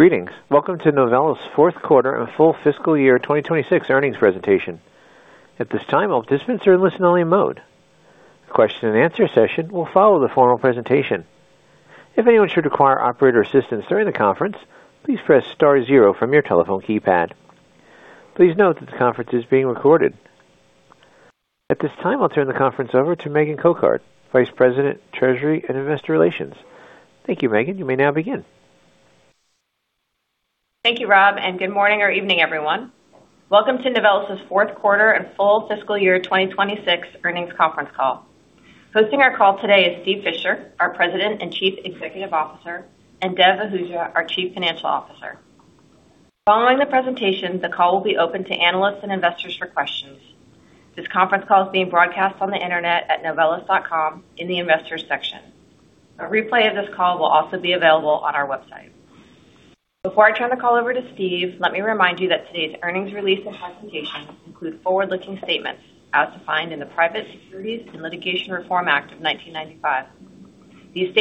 Greetings. Welcome to Novelis' fourth quarter and full fiscal year 2026 earnings presentation. At this time, all participants are in listen-only mode. The question and answer session will follow the formal presentation. If anyone should require operator assistance during the conference, please press star zero from your telephone keypad. Please note that the conference is being recorded. At this time, I'll turn the conference over to Megan Cochard, Vice President, Treasury and Investor Relations. Thank you, Megan. You may now begin. Thank you, Rob, and good morning or evening, everyone. Welcome to Novelis' fourth quarter and full fiscal year 2026 earnings conference call. Hosting our call today is Steve Fisher, our President and Chief Executive Officer, and Dev Ahuja, our Chief Financial Officer. Following the presentation, the call will be open to analysts and investors for questions. This conference call is being broadcast on the internet at novelis.com in the Investors section. A replay of this call will also be available on our website. Before I turn the call over to Steve, let me remind you that today's earnings release and presentation include forward-looking statements as defined in the Private Securities Litigation Reform Act of 1995. These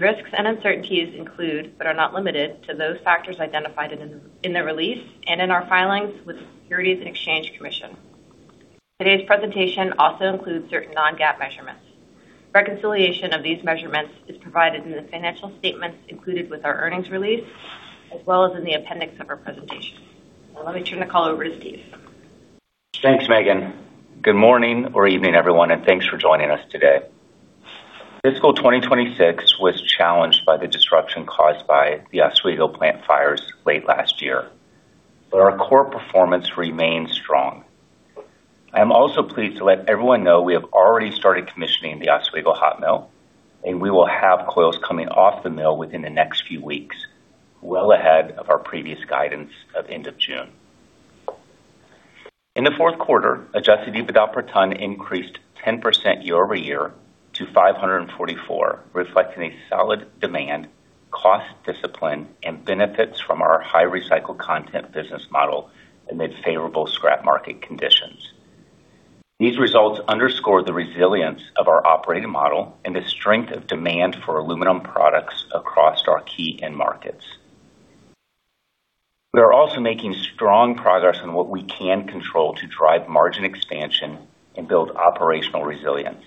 risks and uncertainties include, but are not limited to, those factors identified in the release and in our filings with the Securities and Exchange Commission. Today's presentation also includes certain non-GAAP measurements. Reconciliation of these measurements is provided in the financial statements included with our earnings release, as well as in the appendix of our presentation. Now let me turn the call over to Steve. Thanks, Megan. Good morning or evening, everyone, and thanks for joining us today. Fiscal 2026 was challenged by the disruption caused by the Oswego plant fires late last year, but our core performance remains strong. I am also pleased to let everyone know we have already started commissioning the Oswego hot mill, and we will have coils coming off the mill within the next few weeks, well ahead of our previous guidance of end of June. In the fourth quarter, adjusted EBITDA per ton increased 10% year-over-year to $544, reflecting a solid demand, cost discipline, and benefits from our high recycled content business model amid favorable scrap market conditions. These results underscore the resilience of our operating model and the strength of demand for aluminum products across our key end markets. We are also making strong progress on what we can control to drive margin expansion and build operational resilience.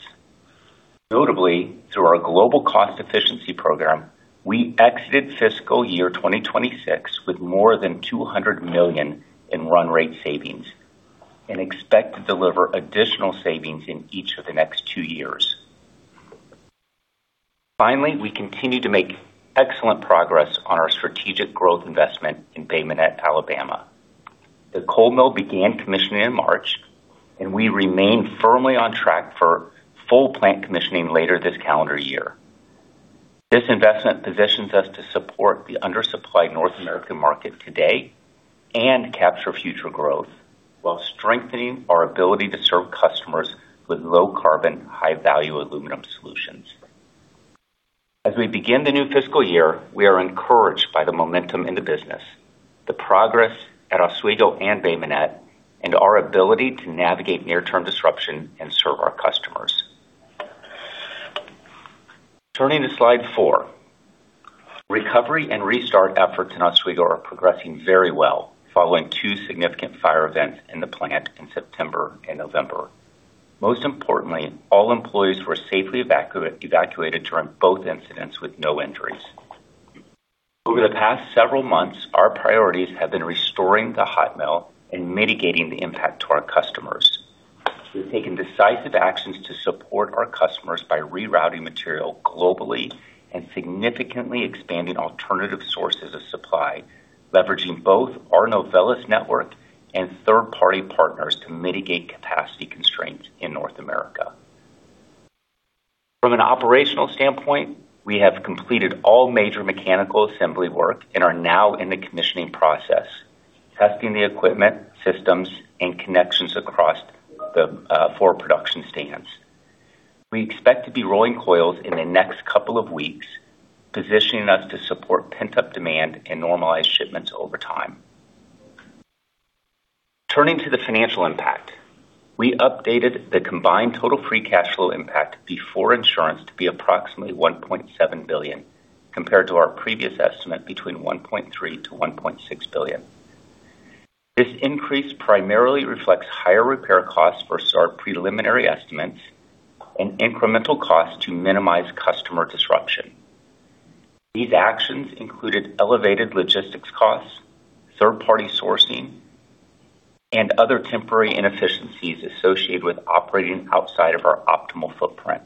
Notably, through our global cost efficiency program, we exited fiscal year 2026 with more than $200 million in run rate savings and expect to deliver additional savings in each of the next two years. Finally, we continue to make excellent progress on our strategic growth investment in Bay Minette, Alabama. The cold mill began commissioning in March, and we remain firmly on track for full plant commissioning later this calendar year. This investment positions us to support the undersupplied North American market today and capture future growth while strengthening our ability to serve customers with low carbon, high value aluminum solutions. As we begin the new fiscal year, we are encouraged by the momentum in the business, the progress at Oswego and Bay Minette, and our ability to navigate near-term disruption and serve our customers. Turning to slide four. Recovery and restart efforts in Oswego are progressing very well following two significant fire events in the plant in September and November. Most importantly, all employees were safely evacuated during both incidents with no injuries. Over the past several months, our priorities have been restoring the hot mill and mitigating the impact to our customers. We've taken decisive actions to support our customers by rerouting material globally and significantly expanding alternative sources of supply, leveraging both our Novelis network and third-party partners to mitigate capacity constraints in North America. From an operational standpoint, we have completed all major mechanical assembly work and are now in the commissioning process, testing the equipment, systems, and connections across the four production stands. We expect to be rolling coils in the next couple of weeks, positioning us to support pent-up demand and normalize shipments over time. Turning to the financial impact. We updated the combined total free cash flow impact before insurance to be approximately $1.7 billion, compared to our previous estimate between $1.3 billion-$1.6 billion. This increase primarily reflects higher repair costs versus our preliminary estimates and incremental costs to minimize customer disruption. These actions included elevated logistics costs, third-party sourcing, and other temporary inefficiencies associated with operating outside of our optimal footprint.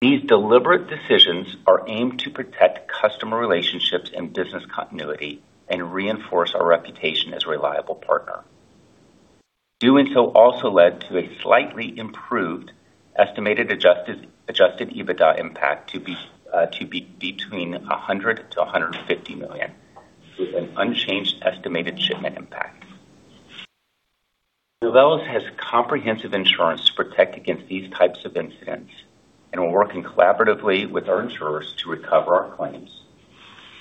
These deliberate decisions are aimed to protect customer relationships and business continuity and reinforce our reputation as a reliable partner. Doing so also led to a slightly improved estimated adjusted EBITDA impact to be between $100 million to $150 million, with an unchanged estimated shipment impact. Novelis has comprehensive insurance to protect against these types of incidents and are working collaboratively with our insurers to recover our claims.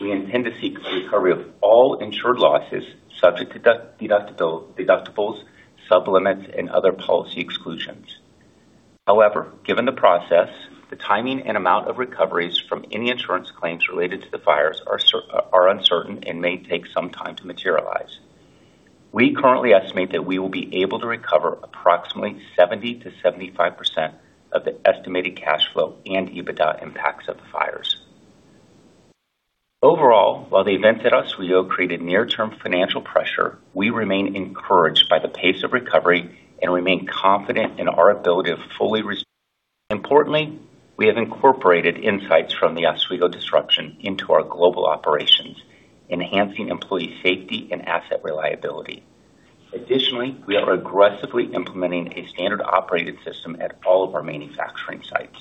We intend to seek a recovery of all insured losses, subject to deductibles, sub-limits, and other policy exclusions. Given the process, the timing and amount of recoveries from any insurance claims related to the fires are uncertain and may take some time to materialize. We currently estimate that we will be able to recover approximately 70%-75% of the estimated cash flow and EBITDA impacts of the fires. Overall, while the event at Oswego created near-term financial pressure, we remain encouraged by the pace of recovery and remain confident in our ability to fully. Importantly, we have incorporated insights from the Oswego disruption into our global operations, enhancing employee safety and asset reliability. Additionally, we are aggressively implementing a standard operating system at all of our manufacturing sites.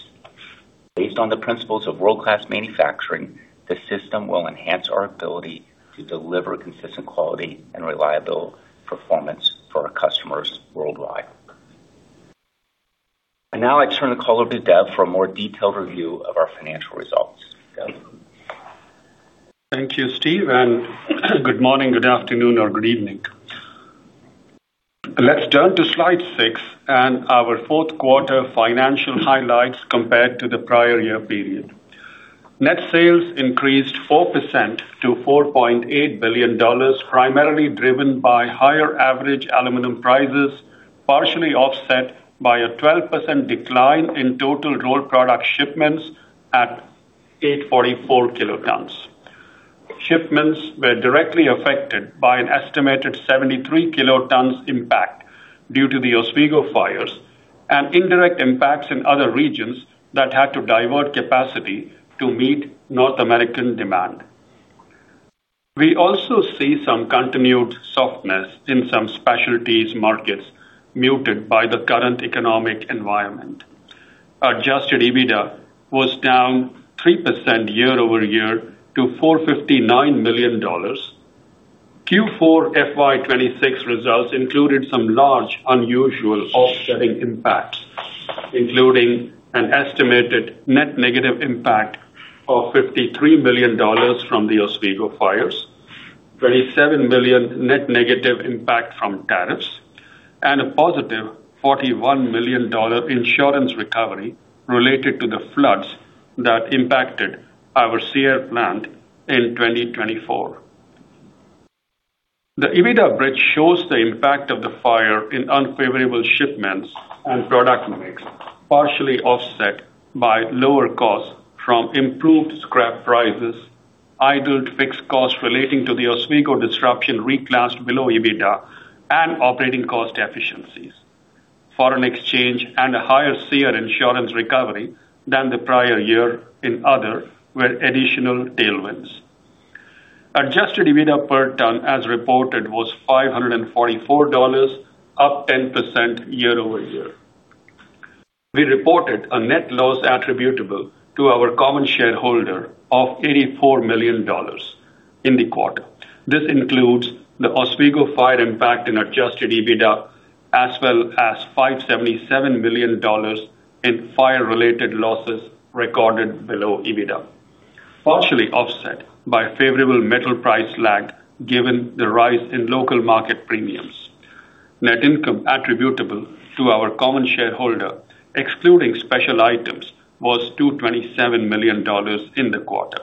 Based on the principles of world-class manufacturing, the system will enhance our ability to deliver consistent quality and reliable performance for our customers worldwide. Now I turn the call over to Dev for a more detailed review of our financial results. Dev? Thank you, Steve, and good morning, good afternoon, or good evening. Let's turn to slide six and our fourth quarter financial highlights compared to the prior year period. Net sales increased 4% to $4.8 billion, primarily driven by higher average aluminum prices, partially offset by a 12% decline in total rolled product shipments at 844 kilotons. Shipments were directly affected by an estimated 73 kilotons impact due to the Oswego fires and indirect impacts in other regions that had to divert capacity to meet North American demand. We also see some continued softness in some specialties markets muted by the current economic environment. Adjusted EBITDA was down 3% year-over-year to $459 million. Q4 FY 2026 results included some large unusual offsetting impacts, including an estimated net negative impact of $53 million from the Oswego fires, $27 million net negative impact from tariffs, and a positive $41 million insurance recovery related to the floods that impacted our Sierre plant in 2024. The EBITDA bridge shows the impact of the fire in unfavorable shipments and product mix, partially offset by lower costs from improved scrap prices, idled fixed costs relating to the Oswego disruption reclassed below EBITDA and operating cost efficiencies. Foreign exchange and a higher Sierre insurance recovery than the prior year in other were additional tailwinds. Adjusted EBITDA per ton as reported was $544, up 10% year-over-year. We reported a net loss attributable to our common shareholder of $84 million in the quarter. This includes the Oswego fire impact in adjusted EBITDA, as well as $577 million in fire-related losses recorded below EBITDA, partially offset by favorable metal price lag given the rise in local market premiums. Net income attributable to our common shareholder, excluding special items, was $227 million in the quarter.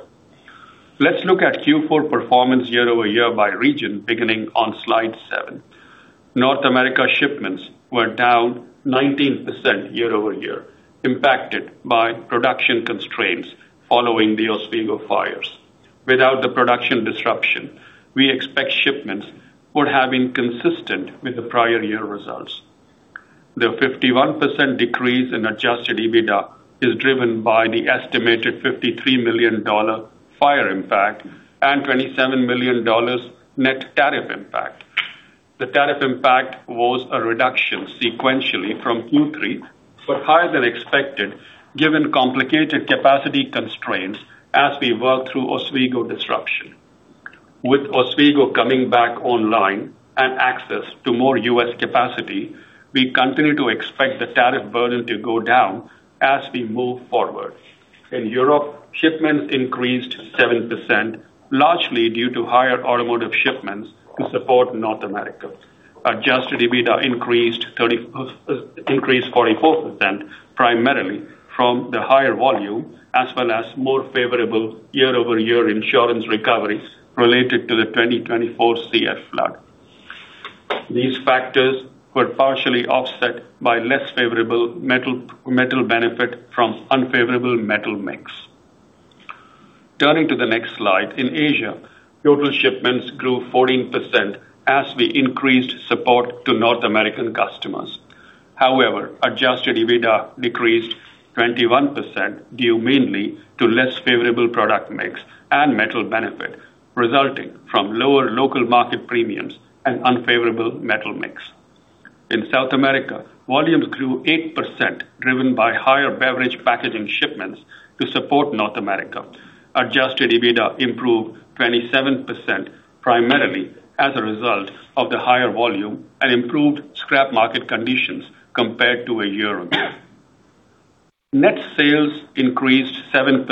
Let's look at Q4 performance year-over-year by region, beginning on slide seven. North America shipments were down 19% year-over-year, impacted by production constraints following the Oswego fires. Without the production disruption, we expect shipments would have been consistent with the prior year results. The 51% decrease in adjusted EBITDA is driven by the estimated $53 million fire impact and $27 million net tariff impact. The tariff impact was a reduction sequentially from Q3, higher than expected given complicated capacity constraints as we work through Oswego disruption. With Oswego coming back online and access to more U.S. capacity, we continue to expect the tariff burden to go down as we move forward. In Europe, shipments increased 7%, largely due to higher automotive shipments to support North America. Adjusted EBITDA increased 44%, primarily from the higher volume as well as more favorable year-over-year insurance recoveries related to the 2024 Sierre flood. These factors were partially offset by less favorable metal benefit from unfavorable metal mix. Turning to the next slide, in Asia, total shipments grew 14% as we increased support to North American customers. However, adjusted EBITDA decreased 21% due mainly to less favorable product mix and metal benefit resulting from lower local market premiums and unfavorable metal mix. In South America, volumes grew 8%, driven by higher beverage packaging shipments to support North America. Adjusted EBITDA improved 27%, primarily as a result of the higher volume and improved scrap market conditions compared to a year ago. Net sales increased 7%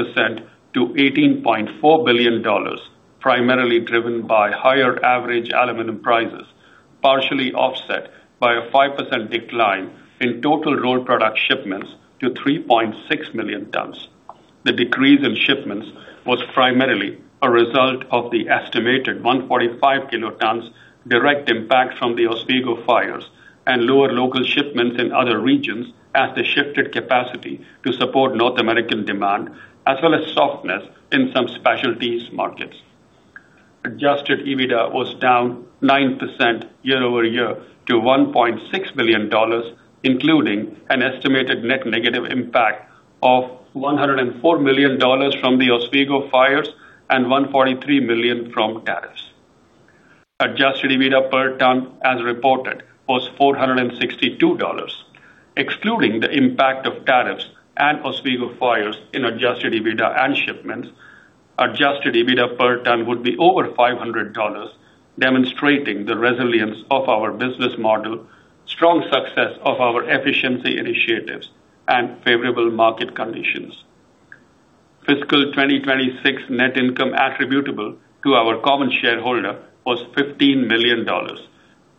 to $18.4 billion, primarily driven by higher average aluminum prices, partially offset by a 5% decline in total rolled product shipments to 3.6 million tons. The decrease in shipments was primarily a result of the estimated 145 kilotons direct impact from the Oswego fires and lower local shipments in other regions as they shifted capacity to support North American demand, as well as softness in some specialties markets. adjusted EBITDA was down 9% year-over-year to $1.6 billion, including an estimated net negative impact of $104 million from the Oswego fires and $143 million from tariffs. adjusted EBITDA per ton, as reported, was $462. Excluding the impact of tariffs and Oswego fires in adjusted EBITDA and shipments, adjusted EBITDA per ton would be over $500, demonstrating the resilience of our business model, strong success of our efficiency initiatives, and favorable market conditions. Fiscal 2026 net income attributable to our common shareholder was $15 million.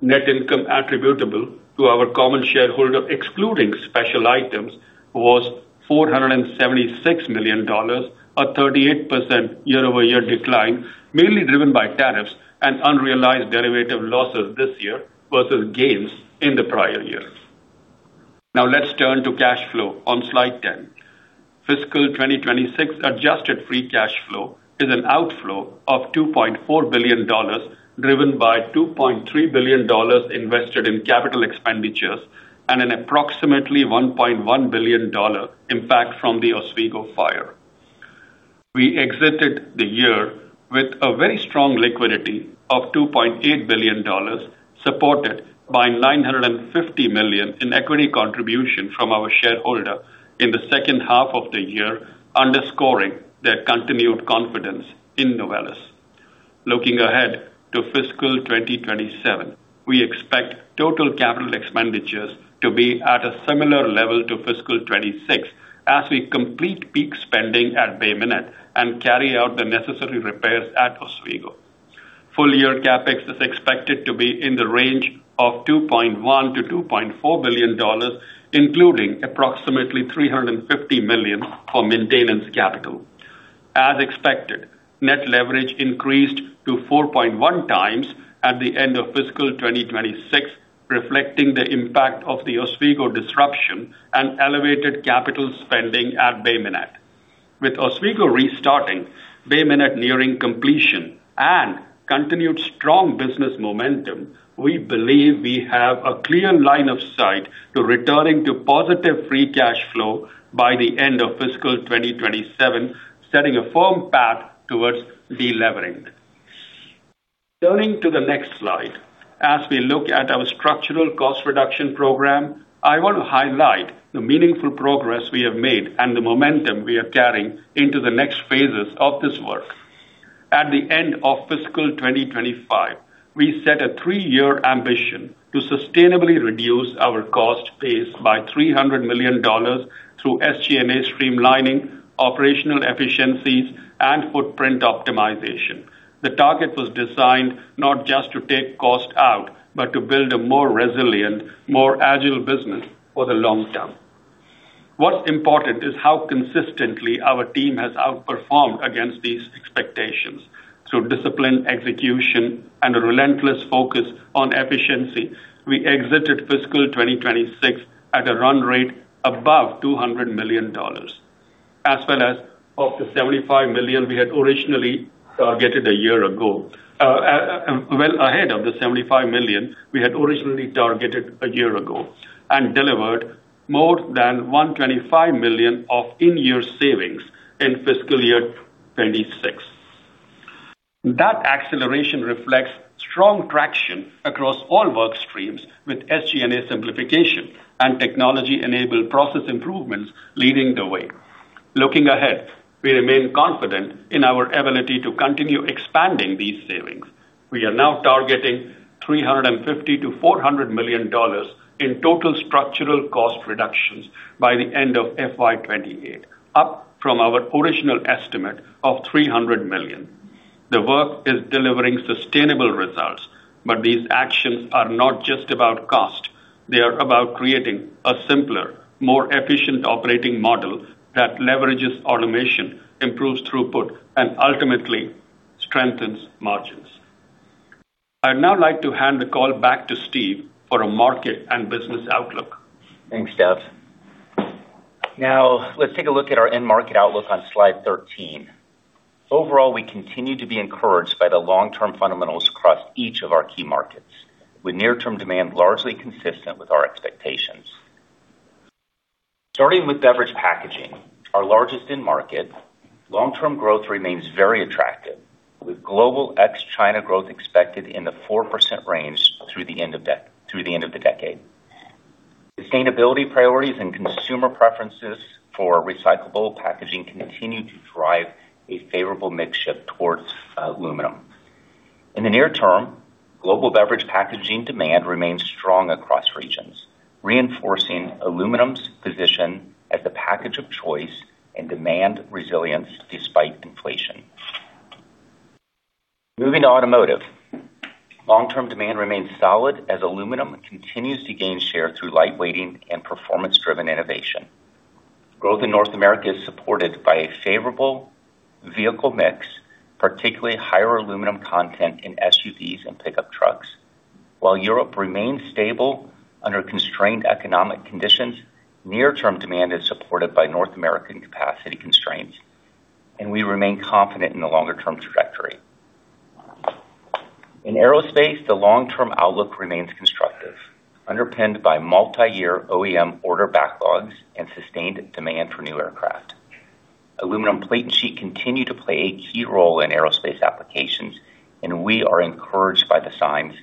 Net income attributable to our common shareholder, excluding special items, was $476 million, a 38% year-over-year decline, mainly driven by tariffs and unrealized derivative losses this year versus gains in the prior year. Let's turn to cash flow on slide 10. Fiscal 2026 adjusted free cash flow is an outflow of $2.4 billion, driven by $2.3 billion invested in capital expenditures and an approximately $1.1 billion impact from the Oswego fire. We exited the year with a very strong liquidity of $2.8 billion, supported by $950 million in equity contribution from our shareholder in the second half of the year, underscoring their continued confidence in Novelis. Looking ahead to fiscal 2027, we expect total capital expenditures to be at a similar level to FY 2026 as we complete peak spending at Bay Minette and carry out the necessary repairs at Oswego. Full year CapEx is expected to be in the range of $2.1 billion-$2.4 billion, including approximately $350 million for maintenance capital. As expected, net leverage increased to 4.1 times at the end of FY 2026, reflecting the impact of the Oswego disruption and elevated capital spending at Bay Minette. With Oswego restarting, Bay Minette nearing completion, and continued strong business momentum, we believe we have a clear line of sight to returning to positive free cash flow by the end of fiscal 2027, setting a firm path towards delevering. Turning to the next slide, as we look at our structural cost reduction program, I want to highlight the meaningful progress we have made and the momentum we are carrying into the next phases of this work. At the end of fiscal 2025, we set a three-year ambition to sustainably reduce our cost base by $300 million through SG&A streamlining, operational efficiencies, and footprint optimization. The target was designed not just to take cost out, but to build a more resilient, more agile business for the long term. What's important is how consistently our team has outperformed against these expectations through disciplined execution and a relentless focus on efficiency. We exited fiscal 2026 at a run rate above $200 million, well ahead of the $75 million we had originally targeted a year ago and delivered more than $125 million of in-year savings in fiscal year 2026. That acceleration reflects strong traction across all work streams, with SG&A simplification and technology-enabled process improvements leading the way. Looking ahead, we remain confident in our ability to continue expanding these savings. We are now targeting $350 million-$400 million in total structural cost reductions by the end of FY 2028, up from our original estimate of $300 million. The work is delivering sustainable results, but these actions are not just about cost. They are about creating a simpler, more efficient operating model that leverages automation, improves throughput, and ultimately strengthens margins. I'd now like to hand the call back to Steve for a market and business outlook. Thanks, Dev. Let's take a look at our end market outlook on slide 13. Overall, we continue to be encouraged by the long-term fundamentals across each of our key markets, with near-term demand largely consistent with our expectations. Starting with beverage packaging, our largest end market, long-term growth remains very attractive, with global ex-China growth expected in the 4% range through the end of the decade. Sustainability priorities and consumer preferences for recyclable packaging continue to drive a favorable mix shift towards aluminum. In the near-term, global beverage packaging demand remains strong across regions, reinforcing aluminum's position as the package of choice and demand resilience despite inflation. Moving to automotive. Long-term demand remains solid as aluminum continues to gain share through lightweighting and performance-driven innovation. Growth in North America is supported by a favorable vehicle mix, particularly higher aluminum content in SUVs and pickup trucks. While Europe remains stable under constrained economic conditions, near-term demand is supported by North American capacity constraints, and we remain confident in the longer-term trajectory. In aerospace, the long-term outlook remains constructive, underpinned by multi-year OEM order backlogs and sustained demand for new aircraft. Aluminum plate and sheet continue to play a key role in aerospace applications, and we are encouraged by the signs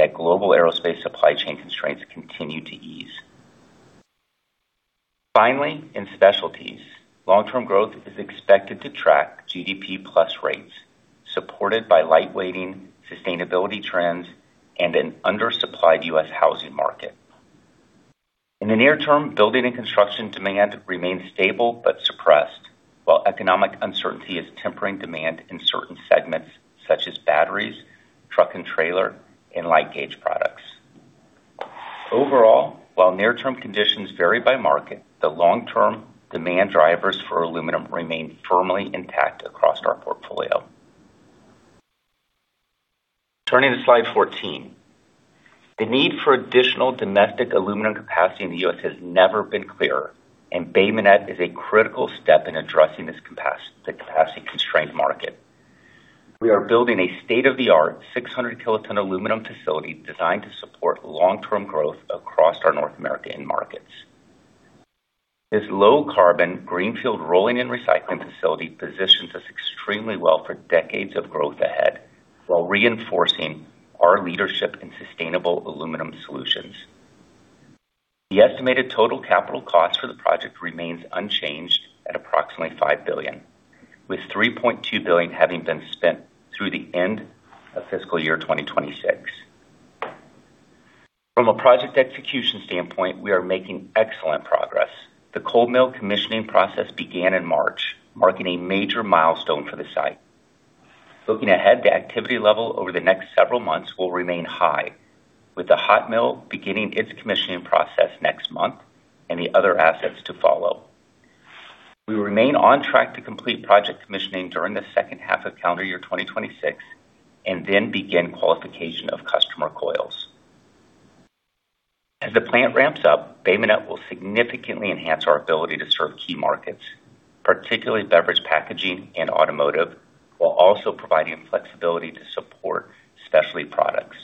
that global aerospace supply chain constraints continue to ease. Finally, in specialties, long-term growth is expected to track GDP-plus rates, supported by lightweighting, sustainability trends, and an undersupplied U.S. housing market. In the near term, building and construction demand remains stable but suppressed, while economic uncertainty is tempering demand in certain segments such as batteries, truck and trailer, and light-gauge products. Overall, while near-term conditions vary by market, the long-term demand drivers for aluminum remain firmly intact across our portfolio. Turning to slide 14. The need for additional domestic aluminum capacity in the U.S. has never been clearer, and Bay Minette is a critical step in addressing the capacity-constrained market. We are building a state-of-the-art 600-kiloton aluminum facility designed to support long-term growth across our North American markets. This low-carbon, greenfield rolling and recycling facility positions us extremely well for decades of growth ahead while reinforcing our leadership in sustainable aluminum solutions. The estimated total capital cost for the project remains unchanged at approximately $5 billion, with $3.2 billion having been spent through the end of fiscal year 2026. From a project execution standpoint, we are making excellent progress. The cold mill commissioning process began in March, marking a major milestone for the site. Looking ahead, the activity level over the next several months will remain high, with the hot mill beginning its commissioning process next month and the other assets to follow. We remain on track to complete project commissioning during the H2 of calendar year 2026 and then begin qualification of customer coils. As the plant ramps up, Bay Minette will significantly enhance our ability to serve key markets, particularly beverage packaging and automotive, while also providing flexibility to support specialty products.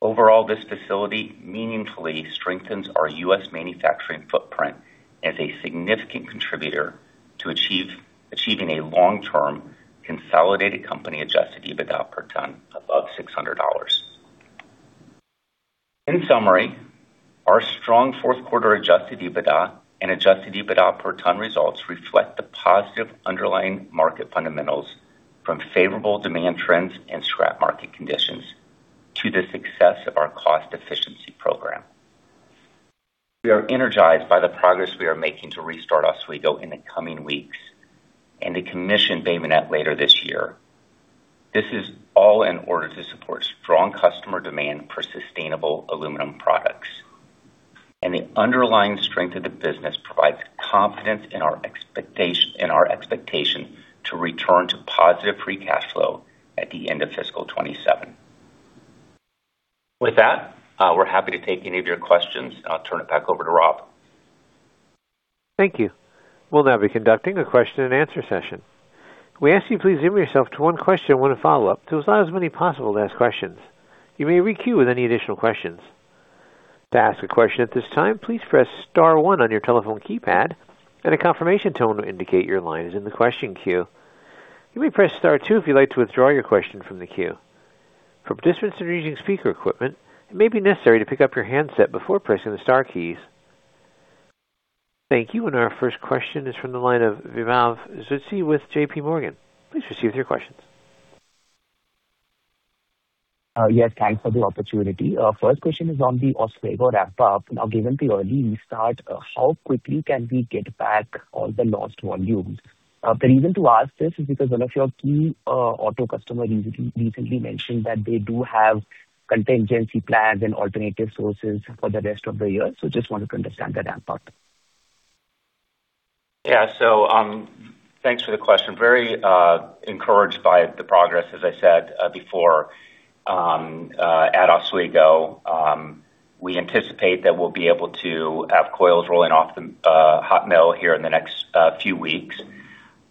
Overall, this facility meaningfully strengthens our U.S. manufacturing footprint as a significant contributor to achieving a long-term consolidated company adjusted EBITDA per ton above $600. In summary, our strong fourth quarter adjusted EBITDA and adjusted EBITDA per ton results reflect the positive underlying market fundamentals from favorable demand trends and scrap market conditions to the success of our cost efficiency program. We are energized by the progress we are making to restart Oswego in the coming weeks and to commission Bay Minette later this year. This is all in order to support strong customer demand for sustainable aluminum products. The underlying strength of the business provides confidence in our expectation to return to positive free cash flow at the end of fiscal 2027. With that, we're happy to take any of your questions. I'll turn it back over to Rob. Thank you. We'll now be conducting a question-and-answer session. We ask you to please limit yourself to one question and one follow-up to allow as many possible to ask questions. You may re-queue with any additional questions. To ask your question this time please press star one on your telephone keypad, then the confirmation tone will indicate your line is in the question queue. You will press star two to withdraw your question from the queue. Thank you. Our first question is from the line of Vibhav Zutshi with J.P. Morgan. Please proceed with your questions. Yes, thanks for the opportunity. First question is on the Oswego ramp-up. Now, given the early restart, how quickly can we get back all the lost volumes? The reason to ask this is because one of your key auto customers recently mentioned that they do have contingency plans and alternative sources for the rest of the year, so just wanted to understand the ramp-up. Thanks for the question. Very encouraged by the progress, as I said before, at Oswego. We anticipate that we'll be able to have coils rolling off the hot mill here in the next few weeks.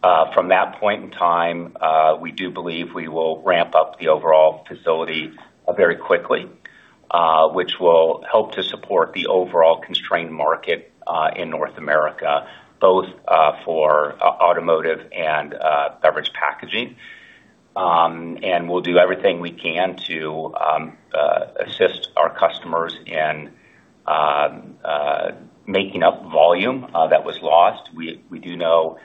From that point in time, we do believe we will ramp up the overall facility very quickly, which will help to support the overall constrained market in North America, both for automotive and beverage packaging. We'll do everything we can to assist our customers in making up volume that was lost. We do know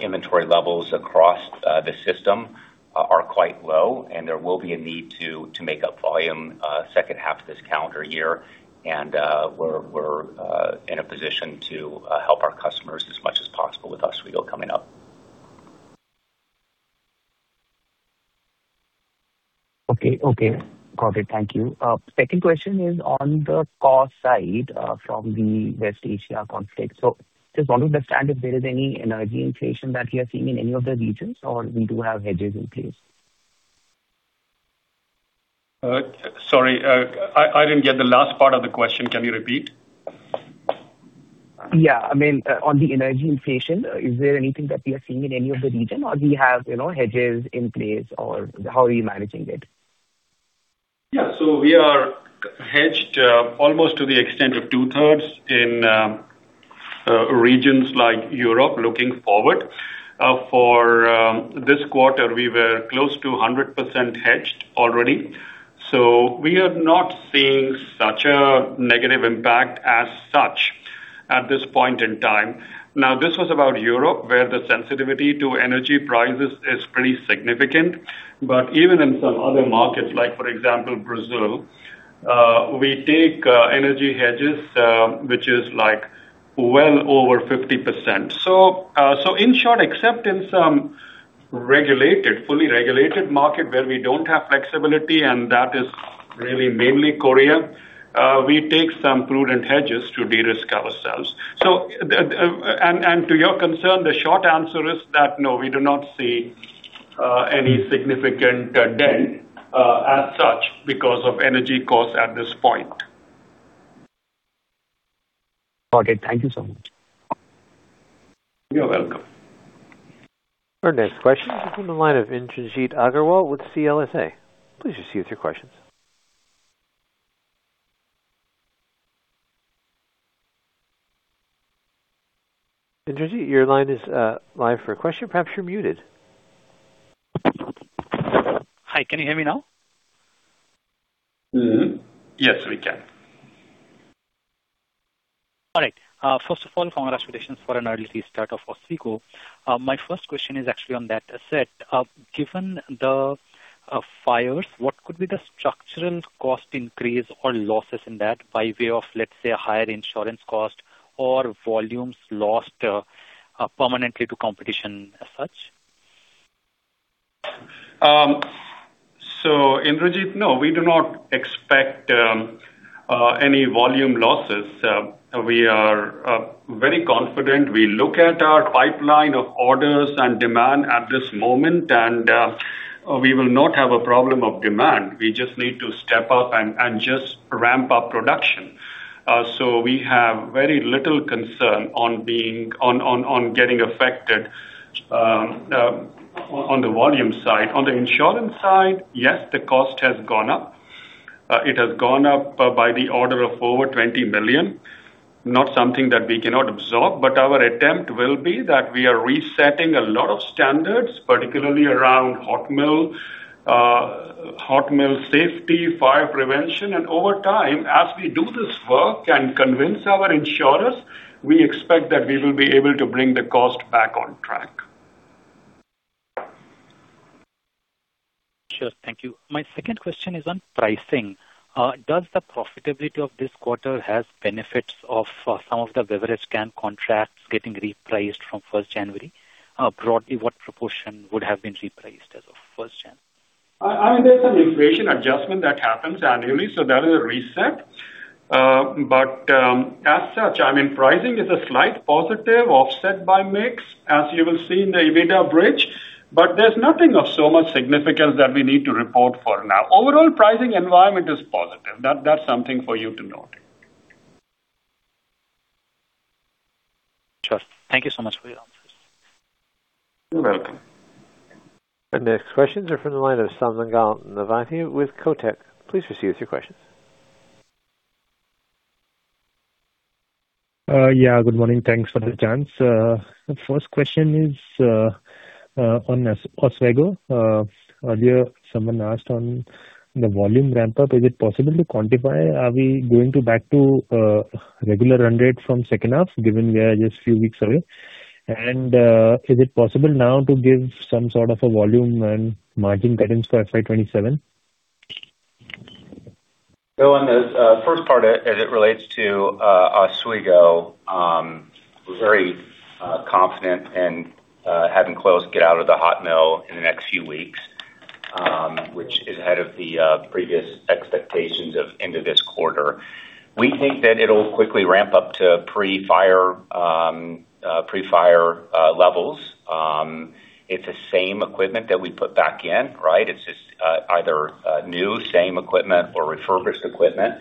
inventory levels across the system are quite low, and there will be a need to make up volume H2 of this calendar year. We're in a position to help our customers as much as possible with Oswego coming up. Okay. Okay. Got it. Thank you. Second question is on the cost side, from the West Asia conflict. Just want to understand if there is any energy inflation that you are seeing in any of the regions, or we do have hedges in place? Sorry, I didn't get the last part of the question. Can you repeat? Yeah. I mean, on the energy inflation, is there anything that we are seeing in any of the region, or we have, you know, hedges in place, or how are you managing it? Yeah. We are hedged almost to the extent of 2/3 in regions like Europe looking forward. For this quarter, we were close to 100% hedged already. We are not seeing such a negative impact as such at this point in time. Now, this was about Europe, where the sensitivity to energy prices is pretty significant. Even in some other markets, like for example, Brazil, we take energy hedges, which is like well over 50%. In short, except in some regulated, fully regulated market where we don't have flexibility, and that is really mainly Korea, we take some prudent hedges to de-risk ourselves. To your concern, the short answer is that, no, we do not see any significant dent as such because of energy costs at this point. Okay. Thank you so much. You're welcome. Our next question is from the line of Indrajit Agarwal with CLSA. Please proceed with your questions. Indrajit, your line is live for a question. Perhaps you're muted. Hi, can you hear me now? Yes, we can. All right. First of all, congratulations for an early start of Oswego. My first question is actually on that set. Given the fires, what could be the structural cost increase or losses in that by way of, let's say, a higher insurance cost or volumes lost, permanently to competition as such? Indrajit, no, we do not expect any volume losses. We are very confident. We look at our pipeline of orders and demand at this moment. We will not have a problem of demand. We just need to step up and just ramp up production. We have very little concern on being on getting affected on the volume side. On the insurance side, yes, the cost has gone up. It has gone up by the order of over $20 million, not something that we cannot absorb. Our attempt will be that we are resetting a lot of standards, particularly around hot mill, hot mill safety, fire prevention. Over time, as we do this work and convince our insurers, we expect that we will be able to bring the cost back on track. Sure. Thank you. My second question is on pricing. Does the profitability of this quarter has benefits of some of the beverage can contracts getting repriced from first January? Broadly, what proportion would have been repriced as of 1 January? There's an inflation adjustment that happens annually, that is a reset. As such, I mean, pricing is a slight positive offset by mix, as you will see in the EBITDA bridge. There's nothing of so much significance that we need to report for now. Overall, pricing environment is positive. That's something for you to note. Sure. Thank you so much for your answers. You're welcome. The next questions are from the line of Sumangal Nevatia with Kotak. Please proceed with your questions. Yeah, good morning. Thanks for the chance. The first question is on Oswego. Earlier, someone asked on the volume ramp up, is it possible to quantify? Are we going to back to regular run rate from second half, given we are just few weeks away? Is it possible now to give some sort of a volume and margin guidance for FY 2027? On the first part as it relates to Oswego, we're very confident in having close get out of the hot mill in the next few weeks, which is ahead of the previous expectations of end of this quarter. We think that it'll quickly ramp up to pre-fire levels. It's the same equipment that we put back in, right? It's just either new same equipment or refurbished equipment.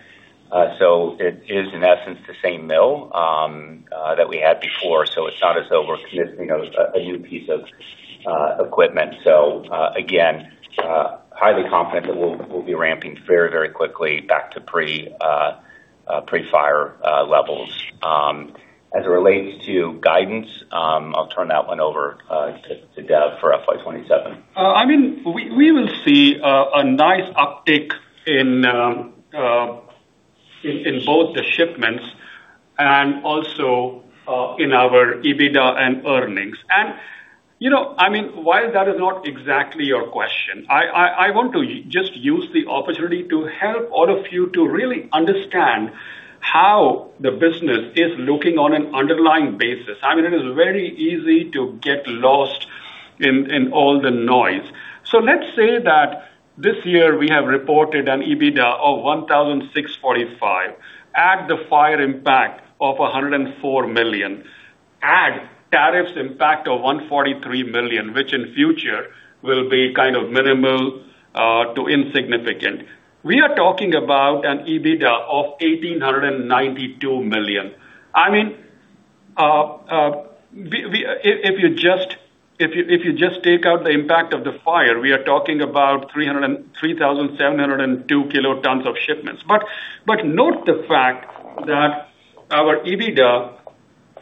It is in essence the same mill that we had before. It's not as though we're committing a new piece of equipment. Again, highly confident that we'll be ramping very quickly back to pre-fire levels. As it relates to guidance, I'll turn that one over to Dev for FY 2027. I mean, we will see a nice uptick in both the shipments and in our EBITDA and earnings. You know, I mean, while that is not exactly your question, I want to just use the opportunity to help all of you to really understand how the business is looking on an underlying basis. I mean, it is very easy to get lost in all the noise. Let's say that this year we have reported an EBITDA of $1,645, add the FY impact of $104 million, add tariffs impact of $143 million, which in future will be kind of minimal to insignificant. We are talking about an EBITDA of $1,892 million. I mean, we if you just take out the impact of the fire, we are talking about 3,702 KT of shipments. Note the fact that our EBITDA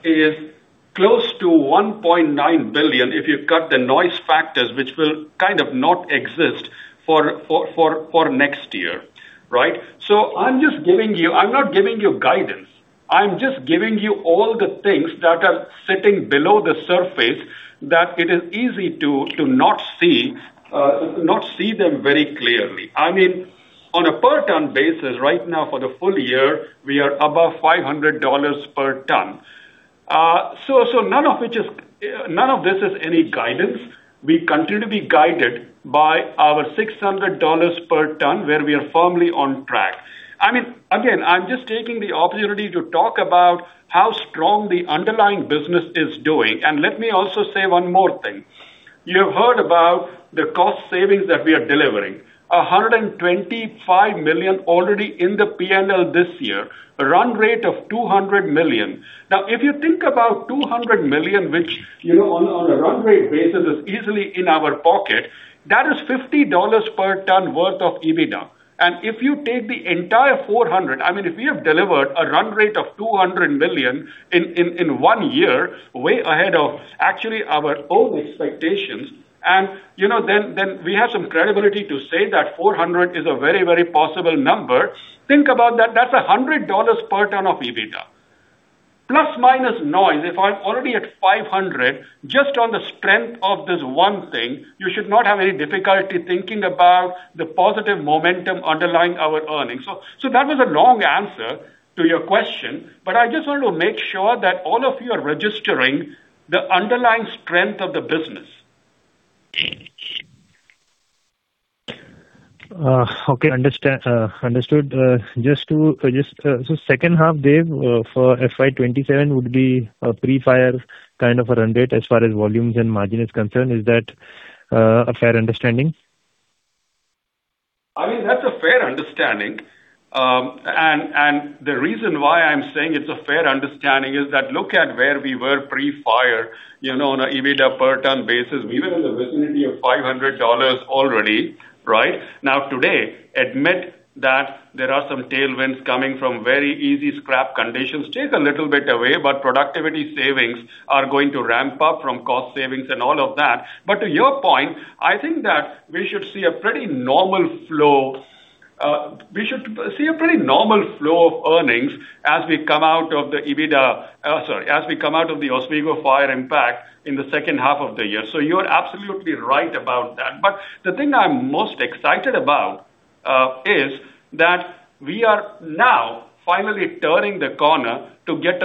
is close to $1.9 billion if you cut the noise factors, which will kind of not exist for next year, right? I'm just giving you I'm not giving you guidance. I'm just giving you all the things that are sitting below the surface that it is easy to not see, to not see them very clearly. I mean, on a per ton basis right now for the full year, we are above $500 per ton. None of this is any guidance. We continue to be guided by our $600 per ton, where we are firmly on track. I mean, again, I'm just taking the opportunity to talk about how strong the underlying business is doing. Let me also say one more thing. You've heard about the cost savings that we are delivering. $125 million already in the P&L this year. A run rate of $200 million. If you think about $200 million, which, you know, on a run rate basis is easily in our pocket, that is $50 per ton worth of EBITDA. If you take the entire 400, I mean, if we have delivered a run rate of $200 million in one year, way ahead of actually our own expectations, you know, then we have some credibility to say that 400 is a very, very possible number. Think about that. That's $100 per ton of EBITDA. Plus minus noise. If I'm already at 500 just on the strength of this 1 thing, you should not have any difficulty thinking about the positive momentum underlying our earnings. That was a long answer to your question, but I just want to make sure that all of you are registering the underlying strength of the business. Okay. Understood. Just H2, Dev, for FY 2027 would be a pre-fire kind of a run rate as far as volumes and margin is concerned. Is that a fair understanding? I mean, that's a fair understanding. And the reason why I'm saying it's a fair understanding is that look at where we were pre-fire, you know, on a EBITDA per ton basis. We were in the vicinity of $500 already, right? Today, admit that there are some tailwinds coming from very easy scrap conditions. Take a little bit away, productivity savings are going to ramp up from cost savings and all of that. To your point, I think that we should see a pretty normal flow of earnings as we come out of the EBITDA, sorry, as we come out of the Oswego fire impact in the second half of the year. You're absolutely right about that. The thing I'm most excited about is that we are now finally turning the corner to get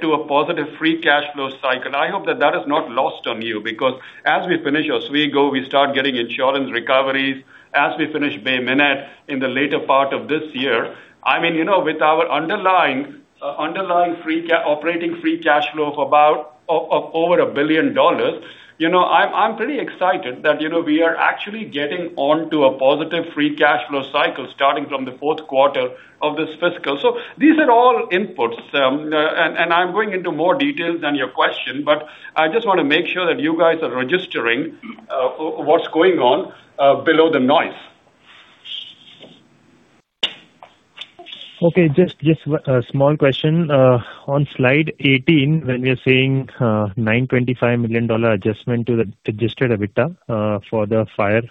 to a positive free cash flow cycle. I hope that that is not lost on you, because as we finish Oswego, we start getting insurance recoveries. As we finish Bay Minette in the later part of this year, I mean, you know, with our underlying operating free cash flow of about over a billion-dollar, you know, I'm pretty excited that, you know, we are actually getting onto a positive free cash flow cycle starting from the fourth quarter of this fiscal. These are all inputs. And I'm going into more details than your question, but I just wanna make sure that you guys are registering what's going on below the noise. Just a small question. On slide 18, when we are saying $925 million adjustment to the adjusted EBITDA for the fire,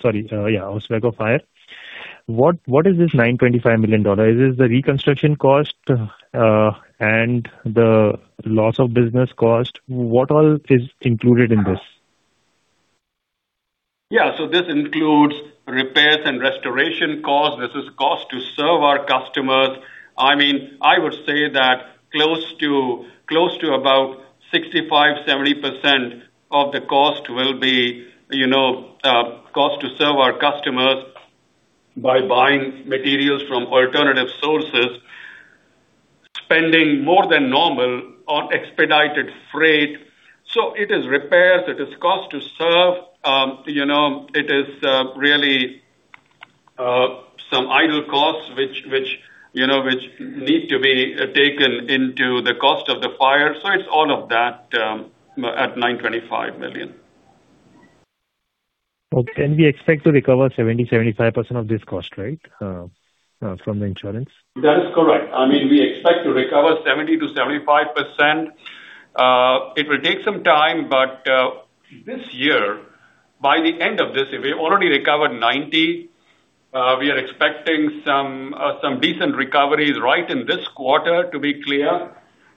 sorry, yeah, Oswego fire. What is this $925 million? Is this the reconstruction cost and the loss of business cost? What all is included in this? Yeah. This includes repairs and restoration costs. This is cost to serve our customers. I mean, I would say that close to about 65%-70% of the cost will be, you know, cost to serve our customers by buying materials from alternative sources, spending more than normal on expedited freight. It is repairs, it is cost to serve. You know, it is really some idle costs which, you know, which need to be taken into the cost of the fire. It's all of that at $925 million. Okay. Can we expect to recover 70%-75% of this cost, right, from the insurance? That is correct. I mean, we expect to recover 70%-75%. It will take some time, but this year, by the end of this. We are expecting some decent recoveries right in this quarter to be clear.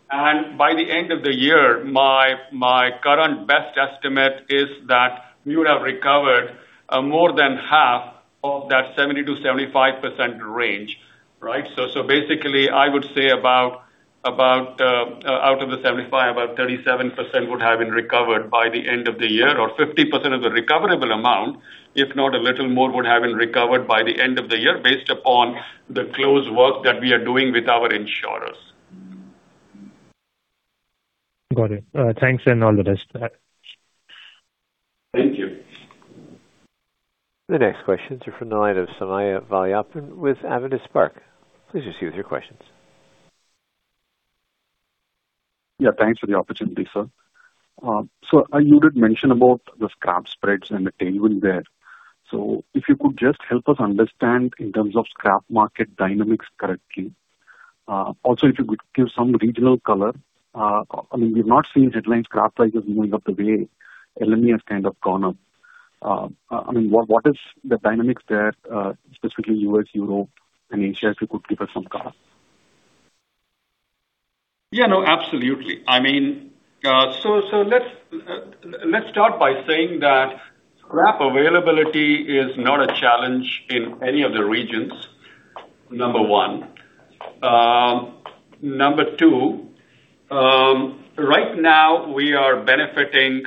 By the end of the year, my current best estimate is that we would have recovered more than half of that 70%-75% range, right? Basically I would say about, out of the 75, about 37% would have been recovered by the end of the year, or 50% of the recoverable amount, if not a little more, would have been recovered by the end of the year based upon the close work that we are doing with our insurers. Got it. Thanks and all the best. Thank you. The next questions are from the line of Somaiah Valliappan with Avendus Spark. Please proceed with your questions. Yeah, thanks for the opportunity, sir. You did mention about the scrap spreads and the tailwind there. If you could just help us understand in terms of scrap market dynamics correctly. Also, if you could give some regional color. I mean, we've not seen headlines, scrap prices moving up the way LME has kind of gone up. I mean, what is the dynamics there, specifically U.S., Europe and Asia, if you could give us some color. Yeah, no, absolutely. I mean, let's start by saying that scrap availability is not a challenge in any of the regions, number one. Number two, right now we are benefiting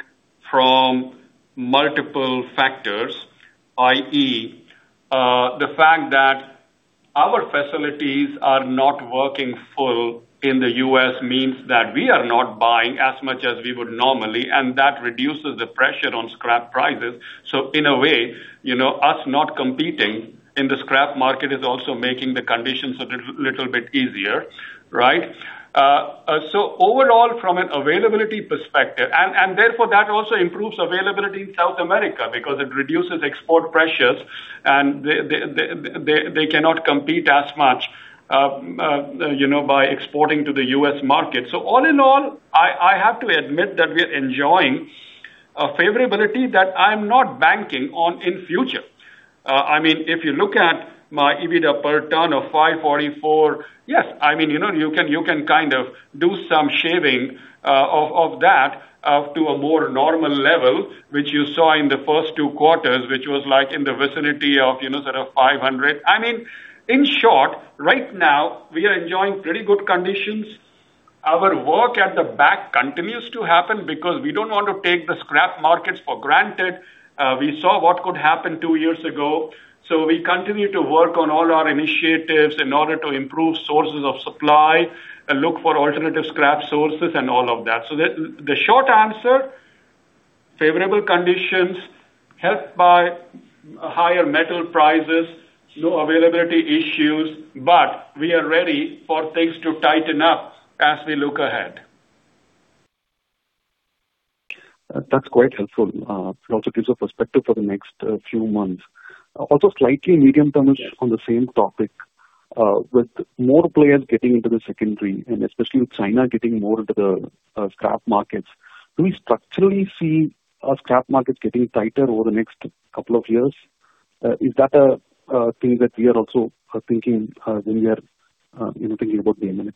from multiple factors, i.e., the fact that our facilities are not working full in the U.S. means that we are not buying as much as we would normally, and that reduces the pressure on scrap prices. In a way, you know, us not competing in the scrap market is also making the conditions a little bit easier, right? Overall, from an availability perspective, and therefore that also improves availability in South America because it reduces export pressures and they cannot compete as much, you know, by exporting to the U.S. market. All in all, I have to admit that we are enjoying a favorability that I am not banking on in future. I mean, if you look at my EBITDA per ton of $544, yes. I mean, you know, you can kind of do some shaving of that to a more normal level, which you saw in the first two quarters, which was like in the vicinity of, you know, sort of $500. I mean, in short, right now we are enjoying pretty good conditions. Our work at the back continues to happen because we do not want to take the scrap markets for granted. We saw what could happen two years ago, we continue to work on all our initiatives in order to improve sources of supply and look for alternative scrap sources and all of that. The short answer, favorable conditions helped by higher metal prices, no availability issues, but we are ready for things to tighten up as we look ahead. That's quite helpful. It also gives a perspective for the next few months, slightly medium term on the same topic, with more players getting into the secondary and especially with China getting more into the scrap markets. Do we structurally see our scrap markets getting tighter over the next couple of years? Is that a thing that we are also thinking, you know, when we are thinking about Bay Minette?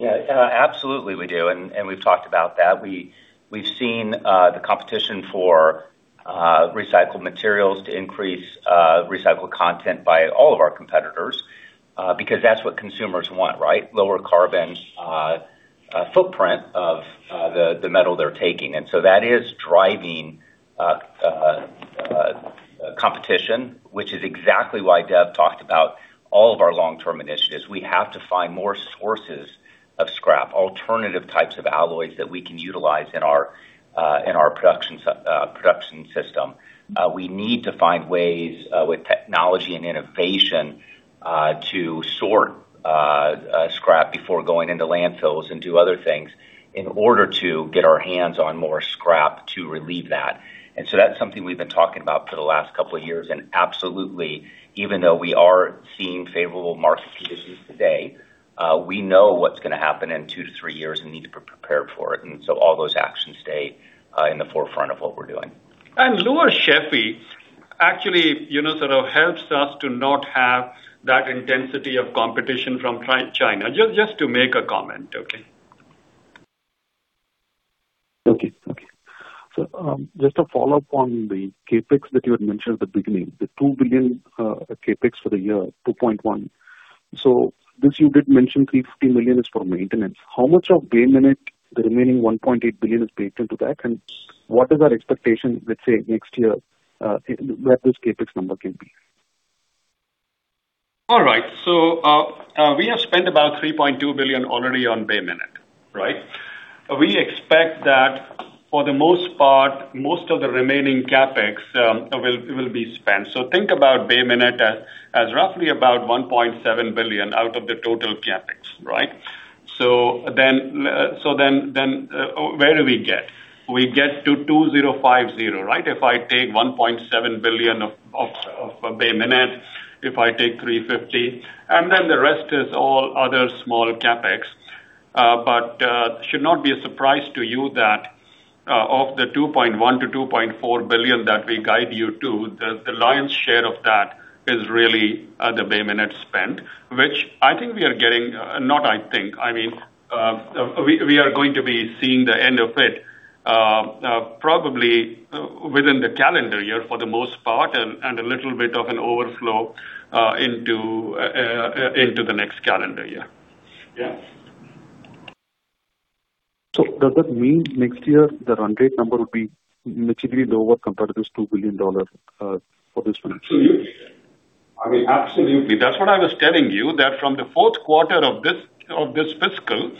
Absolutely we do. We've talked about that. We've seen the competition for recycled materials to increase recycled content by all of our competitors, because that's what consumers want, right? Lower carbon footprint of the metal they're taking. That is driving competition, which is exactly why Dev talked about all of our long-term initiatives. We have to find more sources of scrap, alternative types of alloys that we can utilize in our in our production system. We need to find ways with technology and innovation to sort scrap before going into landfills and do other things in order to get our hands on more scrap to relieve that. That's something we've been talking about for the last couple of years. Absolutely, even though we are seeing favorable market conditions today, we know what's gonna happen in two to three years and need to be prepared for it. So all those actions stay in the forefront of what we're doing. Lower LME actually, you know, sort of helps us to not have that intensity of competition from China. Just to make a comment, okay. Okay. Okay. Just a follow-up on the CapEx that you had mentioned at the beginning, the $2 billion CapEx for the year, $2.1 billion. This you did mention $350 million is for maintenance. How much of Bay Minette, the remaining $1.8 billion is baked into that? What is our expectation, let's say, next year, where this CapEx number can be? All right. We have spent about $3.2 billion already on Bay Minette, right? We expect that for the most part, most of the remaining CapEx will be spent. Think about Bay Minette as roughly about $1.7 billion out of the total CapEx, right? Where do we get? We get to $2,050, right? If I take $1.7 billion of Bay Minette, if I take $350, the rest is all other small CapEx. Should not be a surprise to you that of the $2.1 billion-$2.4 billion that we guide you to, the lion's share of that is really the Bay Minette spend, which I think we are getting, not I think. I mean, we are going to be seeing the end of it, probably within the calendar year for the most part, and a little bit of an overflow into the next calendar year. Yeah. Does that mean next year the run rate number will be materially lower compared to this $2 billion for this financial year? I mean, absolutely. That's what I was telling you, that from the fourth quarter of this, of this fiscal,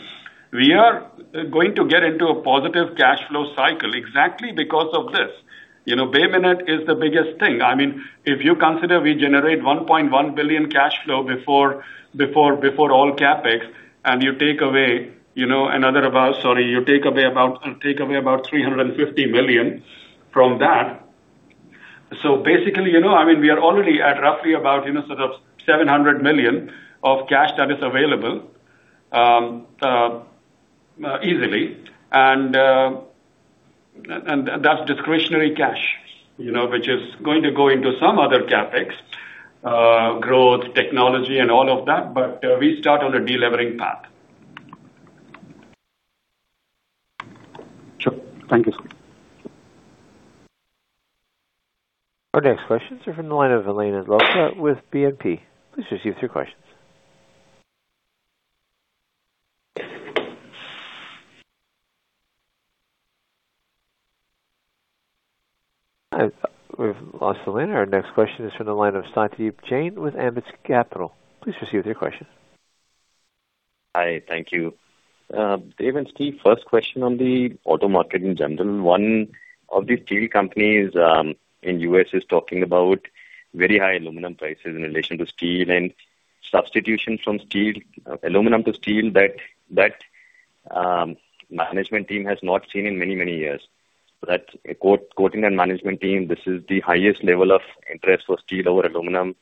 we are going to get into a positive cash flow cycle exactly because of this. You know, Bay Minette is the biggest thing. I mean, if you consider we generate $1.1 billion cash flow before all CapEx, and you take away, you know, another about Sorry, you take away about $350 million from that. Basically, you know, I mean, we are already at roughly about, you know, sort of $700 million of cash that is available easily. That's discretionary cash, you know, which is going to go into some other CapEx, growth, technology, and all of that. We start on a de-levering path. Sure. Thank you, sir. Our next questions are from the line of Elena Losco with BNP. Please proceed with your questions. We've lost Elena. Our next question is from the line of Satyadeep Jain with AMBIT Capital. Please proceed with your question. Hi, thank you. Dev and Steve, first question on the auto market in general. One of the steel companies in the U.S. is talking about very high aluminum prices in relation to steel and substitution from steel, aluminum to steel that management team has not seen in many, many years. That quote, quoting the management team, "This is the highest level of interest for steel over aluminum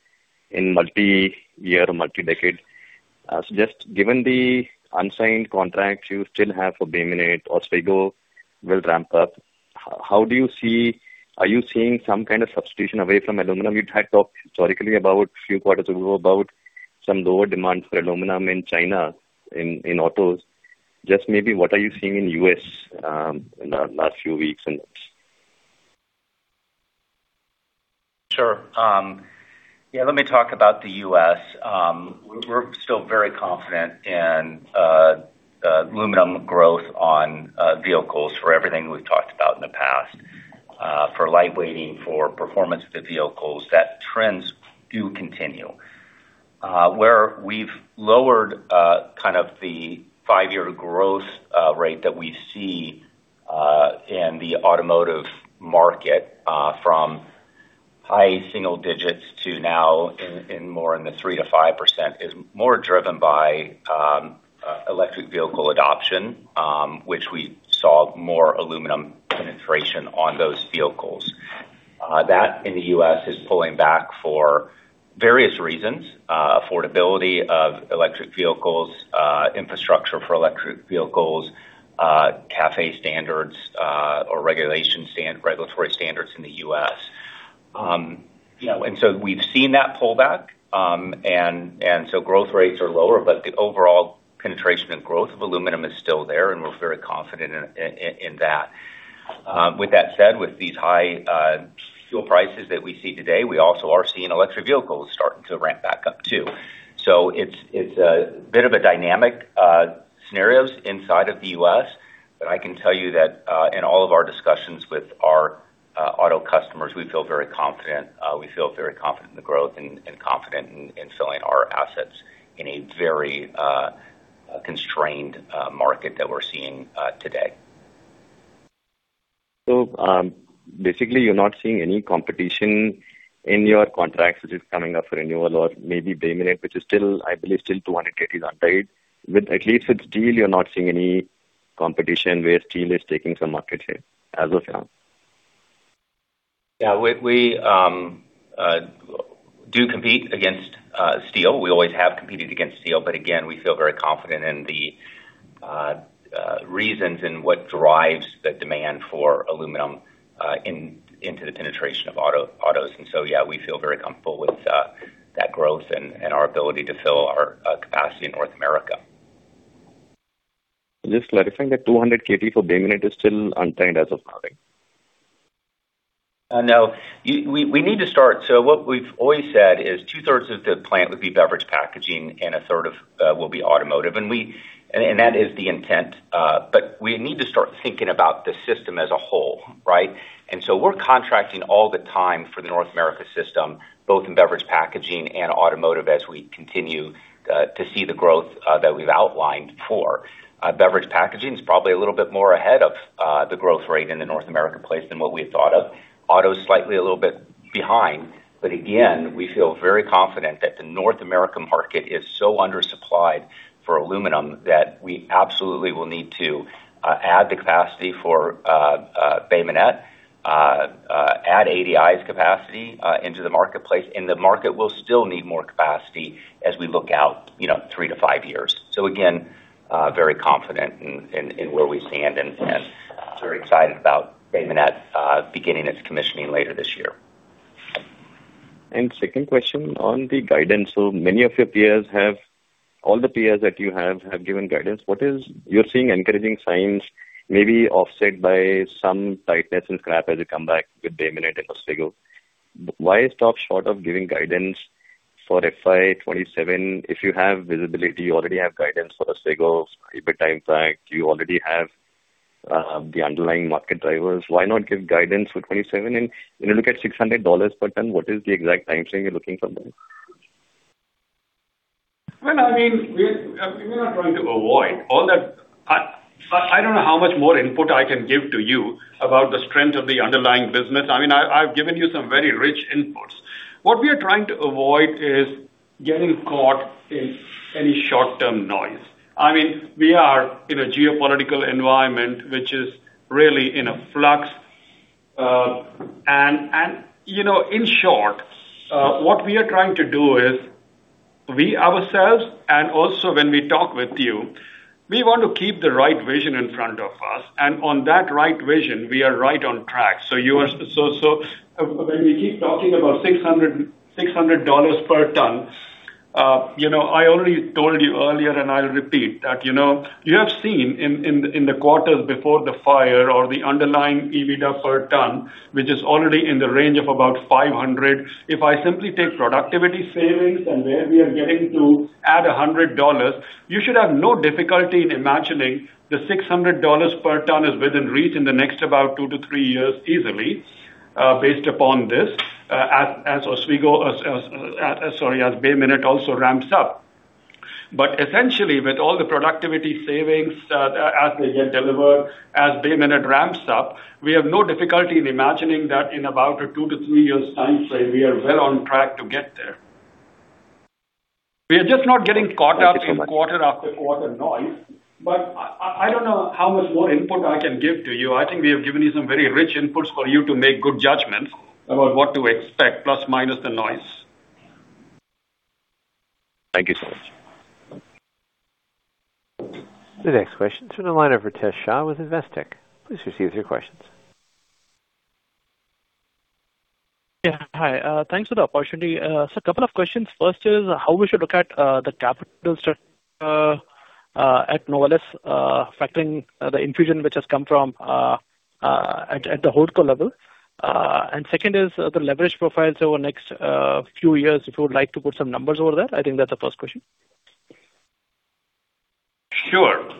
in multiyear or multi-decade." Just given the unsigned contracts you still have for Bay Minette, Oswego will ramp up, are you seeing some kind of substitution away from aluminum? You had talked historically about, a few quarters ago, about some lower demand for aluminum in China, in autos. Just maybe what are you seeing in the U.S. in the last few weeks and months? Sure. Yeah, let me talk about the U.S. We're still very confident in aluminum growth on vehicles for everything we've talked about in the past. For light weighting, for performance of the vehicles, that trends do continue. Where we've lowered kind of the five-year growth rate that we see in the automotive market from high single digits to now in more in the 3%-5% is more driven by electric vehicle adoption, which we saw more aluminum penetration on those vehicles. That in the U.S. is pulling back for various reasons, affordability of electric vehicles, infrastructure for electric vehicles, CAFE standards, or regulatory standards in the U.S. You know, we've seen that pull back. Growth rates are lower, but the overall penetration and growth of aluminum is still there, and we're very confident in that. With that said, with these high fuel prices that we see today, we also are seeing electric vehicles starting to ramp back up too. It's a bit of a dynamic scenarios inside of the U.S., but I can tell you that in all of our discussions with our auto customers, we feel very confident. We feel very confident in the growth and confident in selling our assets in a very constrained market that we're seeing today. Basically, you're not seeing any competition in your contracts which is coming up for renewal or maybe Bay Minette, which is still, I believe, still 200 KT is untied. With, at least with steel, you're not seeing any competition where steel is taking some market share as of now? Yeah. We do compete against steel. We always have competed against steel, but again, we feel very confident in the reasons and what drives the demand for aluminum into the penetration of autos. Yeah, we feel very comfortable with that growth and our ability to fill our capacity in North America. Just clarifying that 200 KT for Bay Minette is still unsigned as of now, right? No. We need to start what we've always said is 2/3 of the plant would be beverage packaging, and a third will be automotive. That is the intent, we need to start thinking about the system as a whole, right? We're contracting all the time for the North America system, both in beverage packaging and automotive, as we continue to see the growth that we've outlined for. Beverage packaging is probably a little bit more ahead of the growth rate in the North America place than what we had thought of. Auto's slightly a little bit behind. Again, we feel very confident that the North America market is so undersupplied for aluminum that we absolutely will need to add the capacity for Bay Minette, ADI's capacity into the marketplace, and the market will still need more capacity as we look out, you know, three to five years. Again, very confident in where we stand and very excited about Bay Minette beginning its commissioning later this year. Second question on the guidance. All the peers that you have have given guidance. You're seeing encouraging signs maybe offset by some tightness in scrap as you come back with Bay Minette and Oswego. Why stop short of giving guidance for FY 2027 if you have visibility, you already have guidance for Oswego, EBIT impact, you already have the underlying market drivers. Why not give guidance for 27? When you look at $600 per ton, what is the exact time frame you're looking for there? Well, I mean, we're not trying to avoid all that. I don't know how much more input I can give to you about the strength of the underlying business. I mean, I've given you some very rich inputs. What we are trying to avoid is getting caught in any short-term noise. I mean, we are in a geopolitical environment which is really in a flux. You know, in short, what we are trying to do is we ourselves and also when we talk with you, we want to keep the right vision in front of us, and on that right vision we are right on track. When we keep talking about $600 per ton, you know, I already told you earlier, and I'll repeat that, you know, you have seen in the quarters before the fire or the underlying EBIT per ton, which is already in the range of about 500. If I simply take productivity savings and where we are getting to add $100, you should have no difficulty in imagining the $600 per ton is within reach in the next about two-to-three years easily, based upon this, as Oswego, as, sorry, as Bay Minette also ramps up. Essentially, with all the productivity savings, as they get delivered, as Bay Minette ramps up, we have no difficulty in imagining that in about a two to three years time frame, we are well on track to get there. We are just not getting caught up in quarter after quarter noise. I don't know how much more input I can give to you. I think we have given you some very rich inputs for you to make good judgments about what to expect, plus minus the noise. Thank you so much. The next question is from the line of Ritesh Shah with Investec. Please proceed with your questions. Yeah, hi. Thanks for the opportunity. Couple of questions. First is how we should look at the capital structure at Novelis, factoring the infusion which has come from at the holdco level. Second is the leverage profile. Next few years, if you would like to put some numbers over that. I think that's the first question. Sure.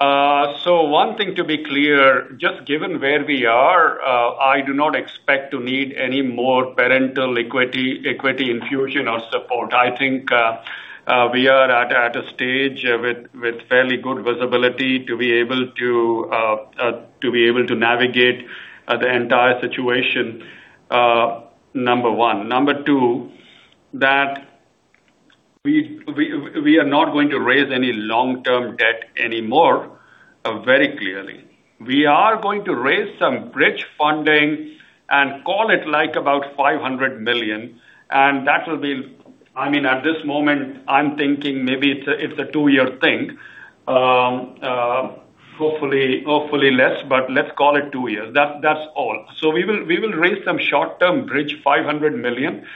One thing to be clear, just given where we are, I do not expect to need any more parental equity infusion or support. I think, we are at a stage with fairly good visibility to be able to navigate the entire situation, number one. Number two, that we are not going to raise any long-term debt anymore, very clearly. We are going to raise some bridge funding and call it like about $500 million, and that will be I mean, at this moment I'm thinking maybe it's a two-year thing. Hopefully less, but let's call it two years. That's all. We will raise some short-term bridge $500 million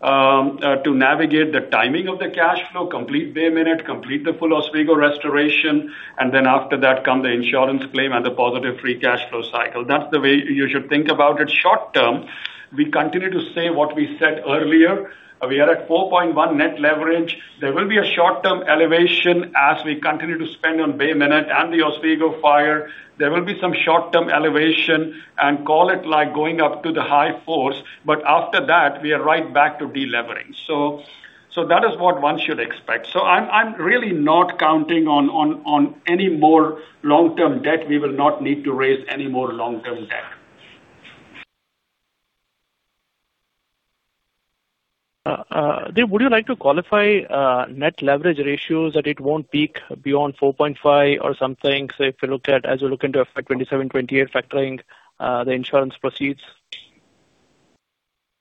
to navigate the timing of the cash flow, complete Bay Minette, complete the full Oswego restoration, and then after that come the insurance claim and the positive free cash flow cycle. That's the way you should think about it short term. We continue to say what we said earlier. We are at 4.1 net leverage. There will be a short-term elevation as we continue to spend on Bay Minette and the Oswego fire. There will be some short-term elevation and call it like going up to the high fours, but after that we are right back to delevering. That is what one should expect. I'm really not counting on any more long-term debt. We will not need to raise any more long-term debt. Would you like to qualify net leverage ratios that it won't peak beyond 4.5 or something, if you look at, as you look into FY 2027, 2028 factoring the insurance proceeds?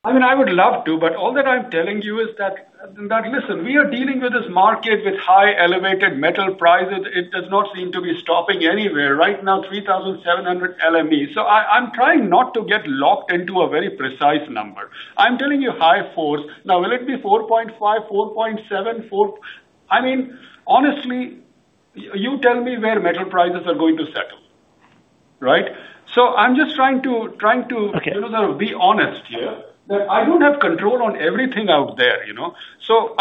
I mean, I would love to, but all that I'm telling you is that listen, we are dealing with this market with high elevated metal prices. It does not seem to be stopping anywhere. Right now, $3,700 LME. I'm trying not to get locked into a very precise number. I'm telling you high fours. Will it be $4.5, $4.7, I mean, honestly, you tell me where metal prices are going to settle, right? Okay. You know, be honest here, that I don't have control on everything out there, you know.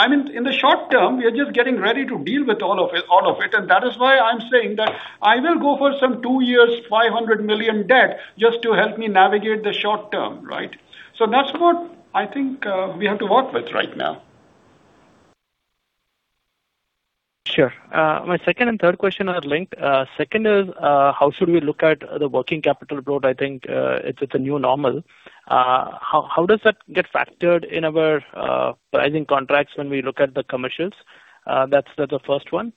I mean, in the short term, we are just getting ready to deal with all of it. That is why I'm saying that I will go for some two years, $500 million debt just to help me navigate the short term, right? That's what I think we have to work with right now. Sure. My second and third question are linked. Second is, how should we look at the working capital growth? I think, it's a new normal. How does that get factored in our pricing contracts when we look at the commercials? That's the first one.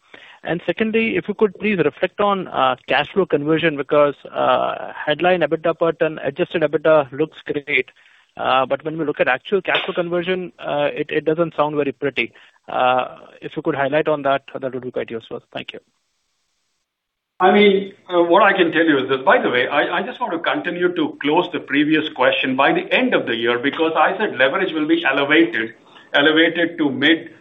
Secondly, if you could please reflect on cash flow conversion because headline EBITDA pattern, adjusted EBITDA looks great. When we look at actual cash flow conversion, it doesn't sound very pretty. If you could highlight on that would be quite useful. Thank you. I mean, what I can tell you is this. By the way, I just want to continue to close the previous question. By the end of the year, because I said leverage will be elevated to mid,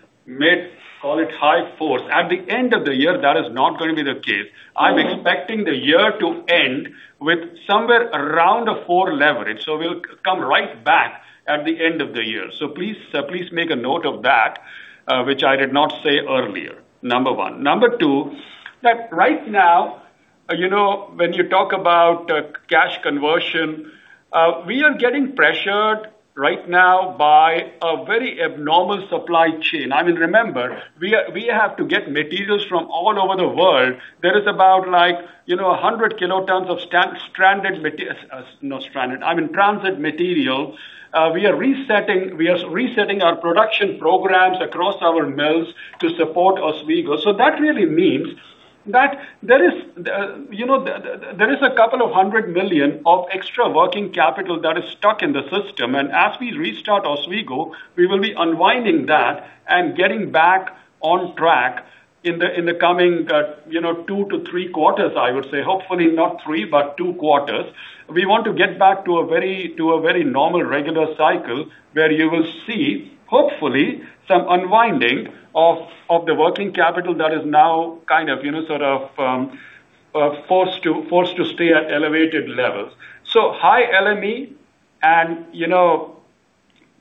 call it high four. At the end of the year, that is not gonna be the case. I'm expecting the year to end with somewhere around a four leverage. We'll come right back at the end of the year. Please make a note of that, which I did not say earlier, number one. Number two, that right now, you know, when you talk about cash conversion, we are getting pressured right now by a very abnormal supply chain. I mean, remember, we have to get materials from all over the world. There is about like, you know, 100 KT of not stranded, I mean, transit material. We are resetting our production programs across our mills to support Oswego. That really means that there is, you know, there is a couple of $100 million of extra working capital that is stuck in the system. As we restart Oswego, we will be unwinding that and getting back on track in the, in the coming, you know, two to three quarters, I would say. Hopefully, not three, but two quarters. We want to get back to a very normal regular cycle where you will see, hopefully, some unwinding of the working capital that is now kind of, you know, sort of, forced to stay at elevated levels. High LME and, you know,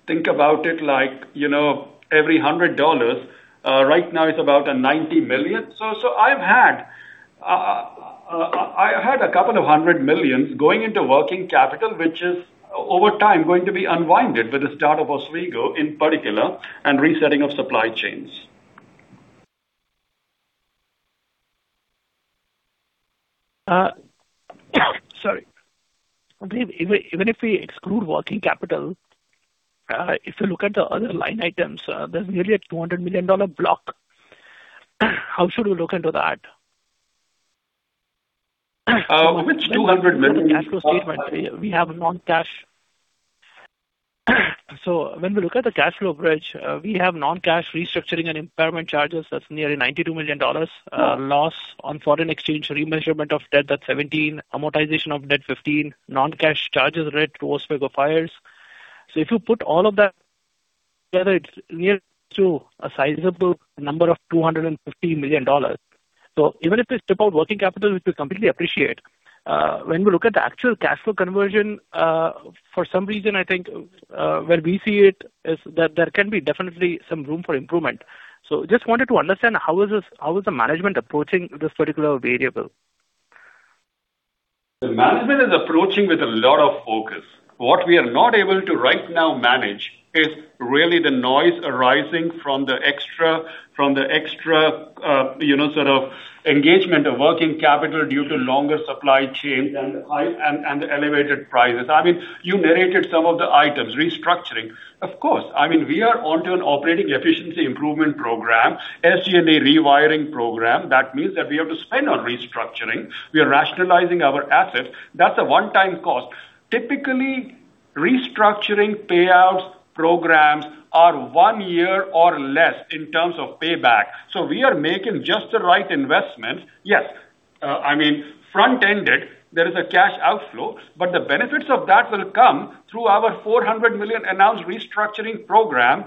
think about it like, you know, every $100, right now it's about $90 million. I had a couple of hundred millions going into working capital, which is over time going to be unwinded with the start of Oswego in particular and resetting of supply chains. Sorry. Even if we exclude working capital, if you look at the other line items, there's nearly a $200 million block. How should we look into that? Which $200 million. Cash flow statement, we have non-cash. When we look at the cash flow bridge, we have non-cash restructuring and impairment charges that's nearly $92 million, loss on foreign exchange remeasurement of debt, that's $17, amortization of debt, $15, non-cash charges related to Oswego fires. If you put all of that together, it's near to a sizable number of $250 million. Even if we strip out working capital, which we completely appreciate, when we look at the actual cash flow conversion, for some reason, I think, where we see it is that there can be definitely some room for improvement. Just wanted to understand how is the management approaching this particular variable? The management is approaching with a lot of focus. What we are not able to right now manage is really the noise arising from the extra, you know, sort of engagement of working capital due to longer supply chain and the elevated prices. I mean, you narrated some of the items, restructuring. Of course. I mean, we are onto an operating efficiency improvement program, SG&A rewiring program. That means that we have to spend on restructuring. We are rationalizing our assets. That's a one-time cost. Typically, restructuring payouts programs are one year or less in terms of payback. We are making just the right investments. Yes. I mean, front-ended, there is a cash outflow, the benefits of that will come through our $400 million announced restructuring program.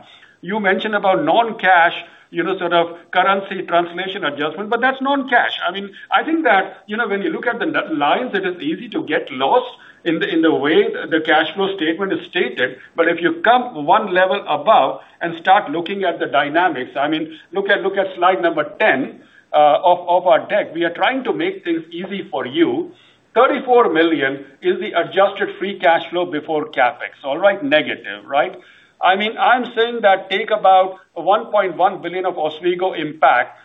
You mentioned about non-cash, you know, sort of currency translation adjustment, but that's non-cash. I mean, I think that, you know, when you look at the lines, it is easy to get lost in the, in the way the cash flow statement is stated. If you come one level above and start looking at the dynamics, I mean, look at slide number 10 of our deck. We are trying to make things easy for you. $34 million is the Adjusted Free Cash Flow before CapEx. All right. Negative, right? I mean, I'm saying that take about $1.1 billion of Oswego impact.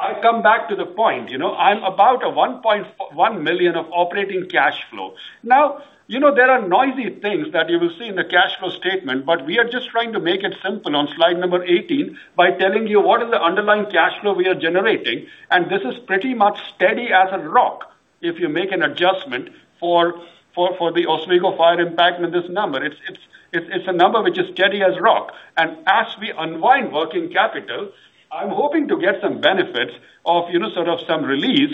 I come back to the point, you know. I'm about a $1.1 million of operating cash flow. You know, there are noisy things that you will see in the cash flow statement. We are just trying to make it simple on slide number 18 by telling you what is the underlying cash flow we are generating, and this is pretty much steady as a rock if you make an adjustment for the Oswego fire impact with this number. It's a number which is steady as a rock. As we unwind working capital, I'm hoping to get some benefits of, you know, sort of some release.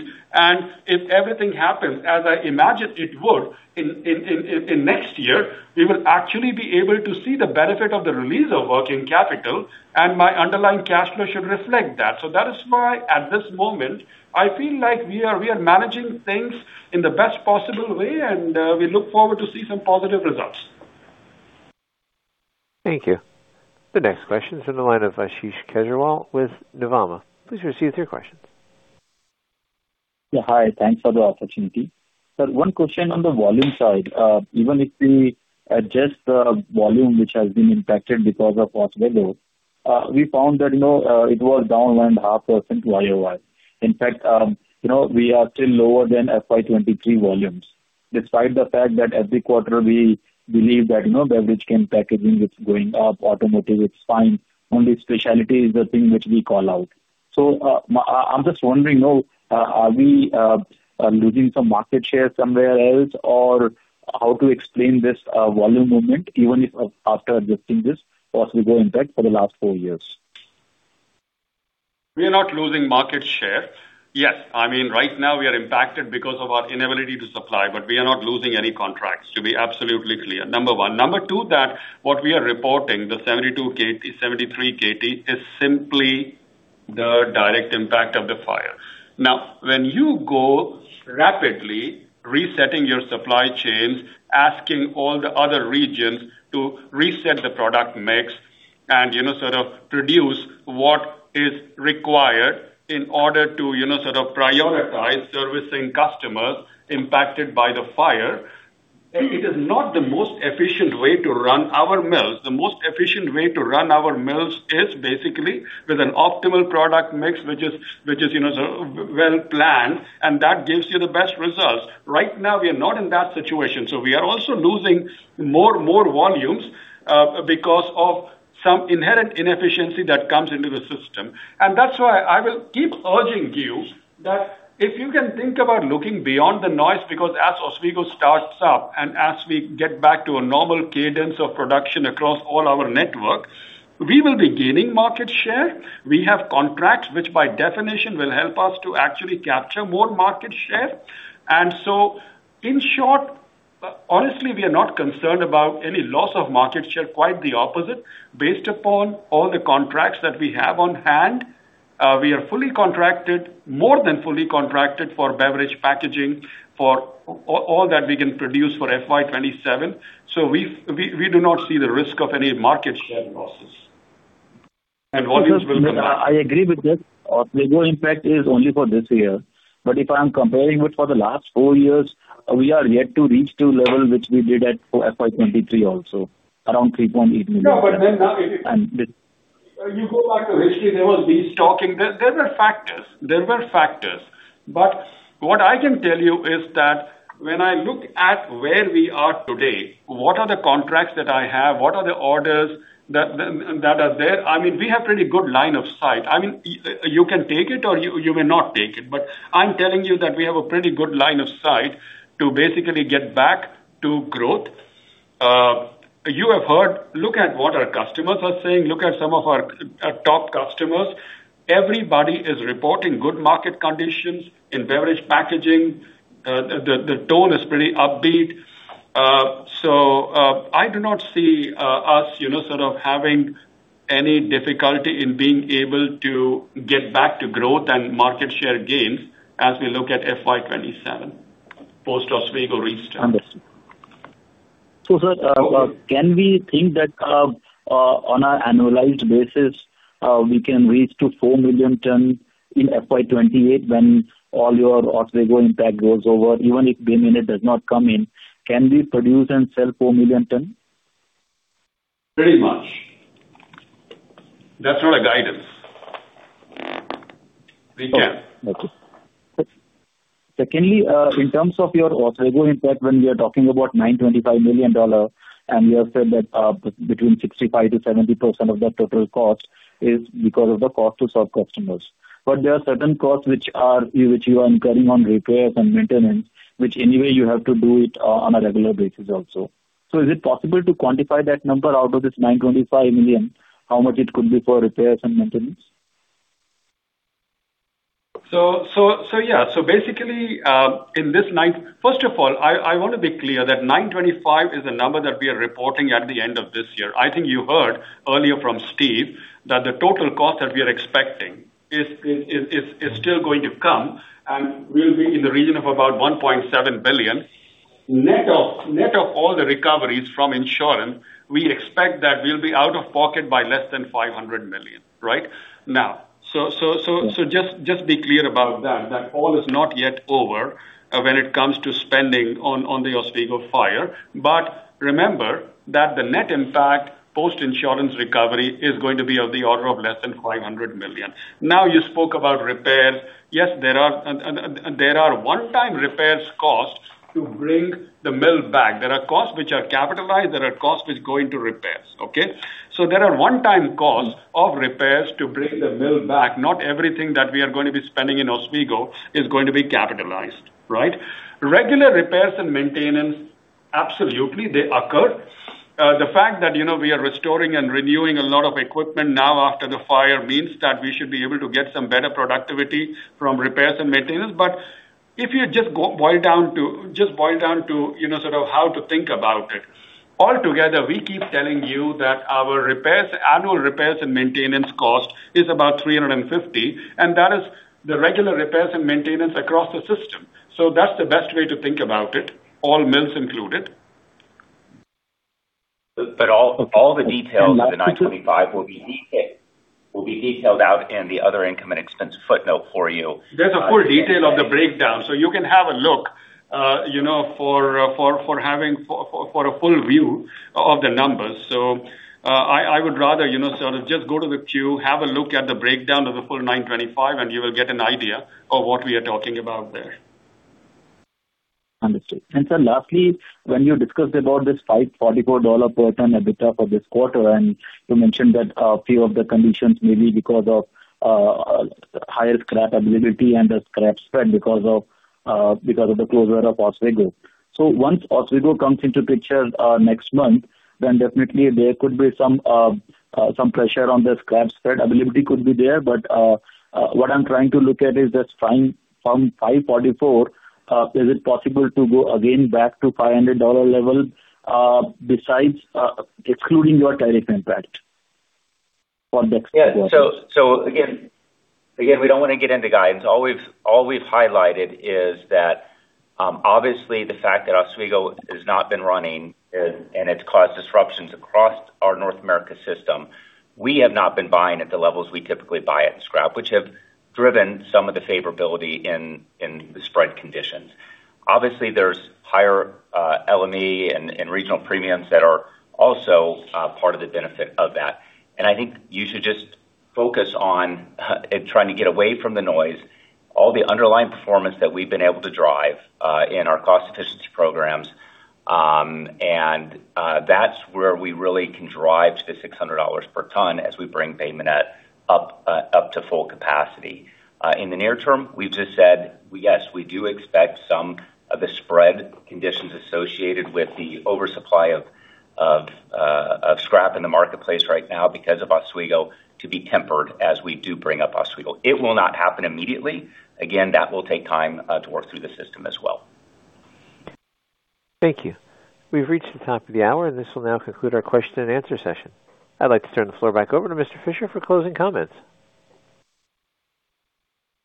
If everything happens as I imagined it would in next year, we will actually be able to see the benefit of the release of working capital. My underlying cash flow should reflect that. That is why at this moment, I feel like we are managing things in the best possible way, and we look forward to see some positive results. Thank you. The next question is in the line of Ashish Kehair with Nuvama. Please proceed with your question. Yeah, hi. Thanks for the opportunity. One question on the volume side. Even if we adjust the volume which has been impacted because of Oswego, we found that, you know, it was down around 0.5% year-over-year. In fact, you know, we are still lower than FY 2023 volumes, despite the fact that every quarter we believe that, you know, beverage can packaging is going up, automotive is fine. Only specialty is the thing which we call out. I'm just wondering, though, are we losing some market share somewhere else or how to explain this volume movement even if after adjusting this Oswego impact for the last four years? We are not losing market share. Yes, I mean, right now we are impacted because of our inability to supply, but we are not losing any contracts, to be absolutely clear, number one. Number two, that what we are reporting the 73 KT is simply the direct impact of the fire. When you go rapidly resetting your supply chains, asking all the other regions to reset the product mix and, you know, sort of produce what is required in order to, you know, sort of prioritize servicing customers impacted by the fire, it is not the most efficient way to run our mills. The most efficient way to run our mills is basically with an optimal product mix, which is, you know, sort of well-planned and that gives you the best results. Right now we are not in that situation. We are also losing more volumes because of some inherent inefficiency that comes into the system. That's why I will keep urging you that if you can think about looking beyond the noise, because as Oswego starts up and as we get back to a normal cadence of production across all our network, we will be gaining market share. We have contracts which by definition will help us to actually capture more market share. In short, honestly, we are not concerned about any loss of market share, quite the opposite. Based upon all the contracts that we have on hand, we are fully contracted, more than fully contracted for beverage packaging for all that we can produce for FY 2027. We do not see the risk of any market share losses. Volumes will come up. I agree with this. Oswego impact is only for this year. If I'm comparing with for the last four years, we are yet to reach to level which we did at FY 2023 also, around 3.8 million. No, now if. And this- You go back to history, there were these factors. What I can tell you is that when I look at where we are today, what are the contracts that I have, what are the orders that are there? I mean, we have pretty good line of sight. I mean, you can take it or you may not take it, I'm telling you that we have a pretty good line of sight to basically get back to growth. You have heard, look at what our customers are saying. Look at some of our top customers. Everybody is reporting good market conditions in beverage packaging. The tone is pretty upbeat. I do not see us, you know, sort of having any difficulty in being able to get back to growth and market share gains as we look at FY 2027 post Oswego restart. Understood. Sir, can we think that, on an annualized basis, we can reach to four million ton in FY 28 when all your Oswego impact goes over, even if Bay Minette does not come in, can we produce and sell four million ton? Pretty much. That's not a guidance. We can. Okay. Secondly, in terms of your Oswego impact, when we are talking about $925 million, and you have said that, between 65%-70% of that total cost is because of the cost to serve customers. But there are certain costs which are, which you are incurring on repairs and maintenance, which anyway you have to do it on a regular basis also. So is it possible to quantify that number out of this $925 million, how much it could be for repairs and maintenance? Basically, first of all, I want to be clear that 925 is a number that we are reporting at the end of this year. I think you heard earlier from Steve that the total cost that we are expecting is still going to come and will be in the region of about $1.7 billion. Net of all the recoveries from insurance, we expect that we'll be out of pocket by less than $500 million. Right now. Just be clear about that all is not yet over when it comes to spending on the Oswego fire. Remember that the net impact post-insurance recovery is going to be of the order of less than $500 million. You spoke about repairs. Yes, there are one-time repairs cost to bring the mill back. There are costs which are capitalized, there are costs which go into repairs. Okay. There are one-time costs of repairs to bring the mill back. Not everything that we are going to be spending in Oswego is going to be capitalized, right? Regular repairs and maintenance, absolutely they occur. The fact that, you know, we are restoring and renewing a lot of equipment now after the fire means that we should be able to get some better productivity from repairs and maintenance. But if you just boil down to, you know, sort of how to think about it, altogether, we keep telling you that our repairs, annual repairs and maintenance cost is about $350, and that is the regular repairs and maintenance across the system. That's the best way to think about it, all mills included. All the details of the 925 will be detailed out in the other income and expense footnote for you. There's a full detail of the breakdown, so you can have a look, you know, for a full view of the numbers. I would rather, you know, sort of just go to the Q, have a look at the breakdown of the full 925, and you will get an idea of what we are talking about there. Understood. Sir, lastly, when you discussed about this $544 per ton EBITDA for this quarter, and you mentioned that a few of the conditions may be because of higher scrap availability and the scrap spread because of the closure of Oswego. Once Oswego comes into picture next month, then definitely there could be some pressure on the scrap spread availability could be there. What I'm trying to look at is just find from $544, is it possible to go again back to $500 level besides excluding your tariff impact on the- Yeah. Again, we don't wanna get into guidance. All we've highlighted is that, obviously the fact that Oswego has not been running and it's caused disruptions across our North America system, we have not been buying at the levels we typically buy it in scrap, which have driven some of the favorability in the spread conditions. Obviously, there's higher LME and regional premiums that are also part of the benefit of that. I think you should just focus on trying to get away from the noise, all the underlying performance that we've been able to drive in our cost efficiency programs, and that's where we really can drive to the $600 per ton as we bring Bay Minette up to full capacity. In the near term, we've just said, yes, we do expect some of the spread conditions associated with the oversupply of scrap in the marketplace right now because of Oswego to be tempered as we do bring up Oswego. It will not happen immediately. Again, that will take time to work through the system as well. Thank you. We've reached the top of the hour, and this will now conclude our question and answer session. I'd like to turn the floor back over to Mr. Fisher for closing comments.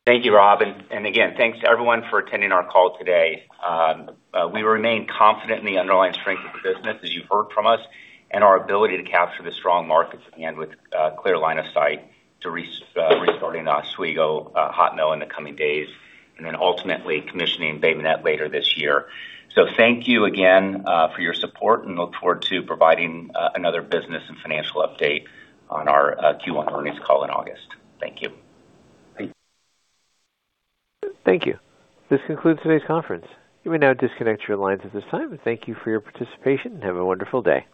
Thank you, Rob, and again, thanks to everyone for attending our call today. We remain confident in the underlying strength of the business, as you've heard from us, and our ability to capture the strong markets again with clear line of sight to restarting Oswego hot mill in the coming days, and then ultimately commissioning Bay Minette later this year. Thank you again for your support and look forward to providing another business and financial update on our Q1 earnings call in August. Thank you. Thank you. Thank you. This concludes today's conference. You may now disconnect your lines at this time. Thank you for your participation, and have a wonderful day.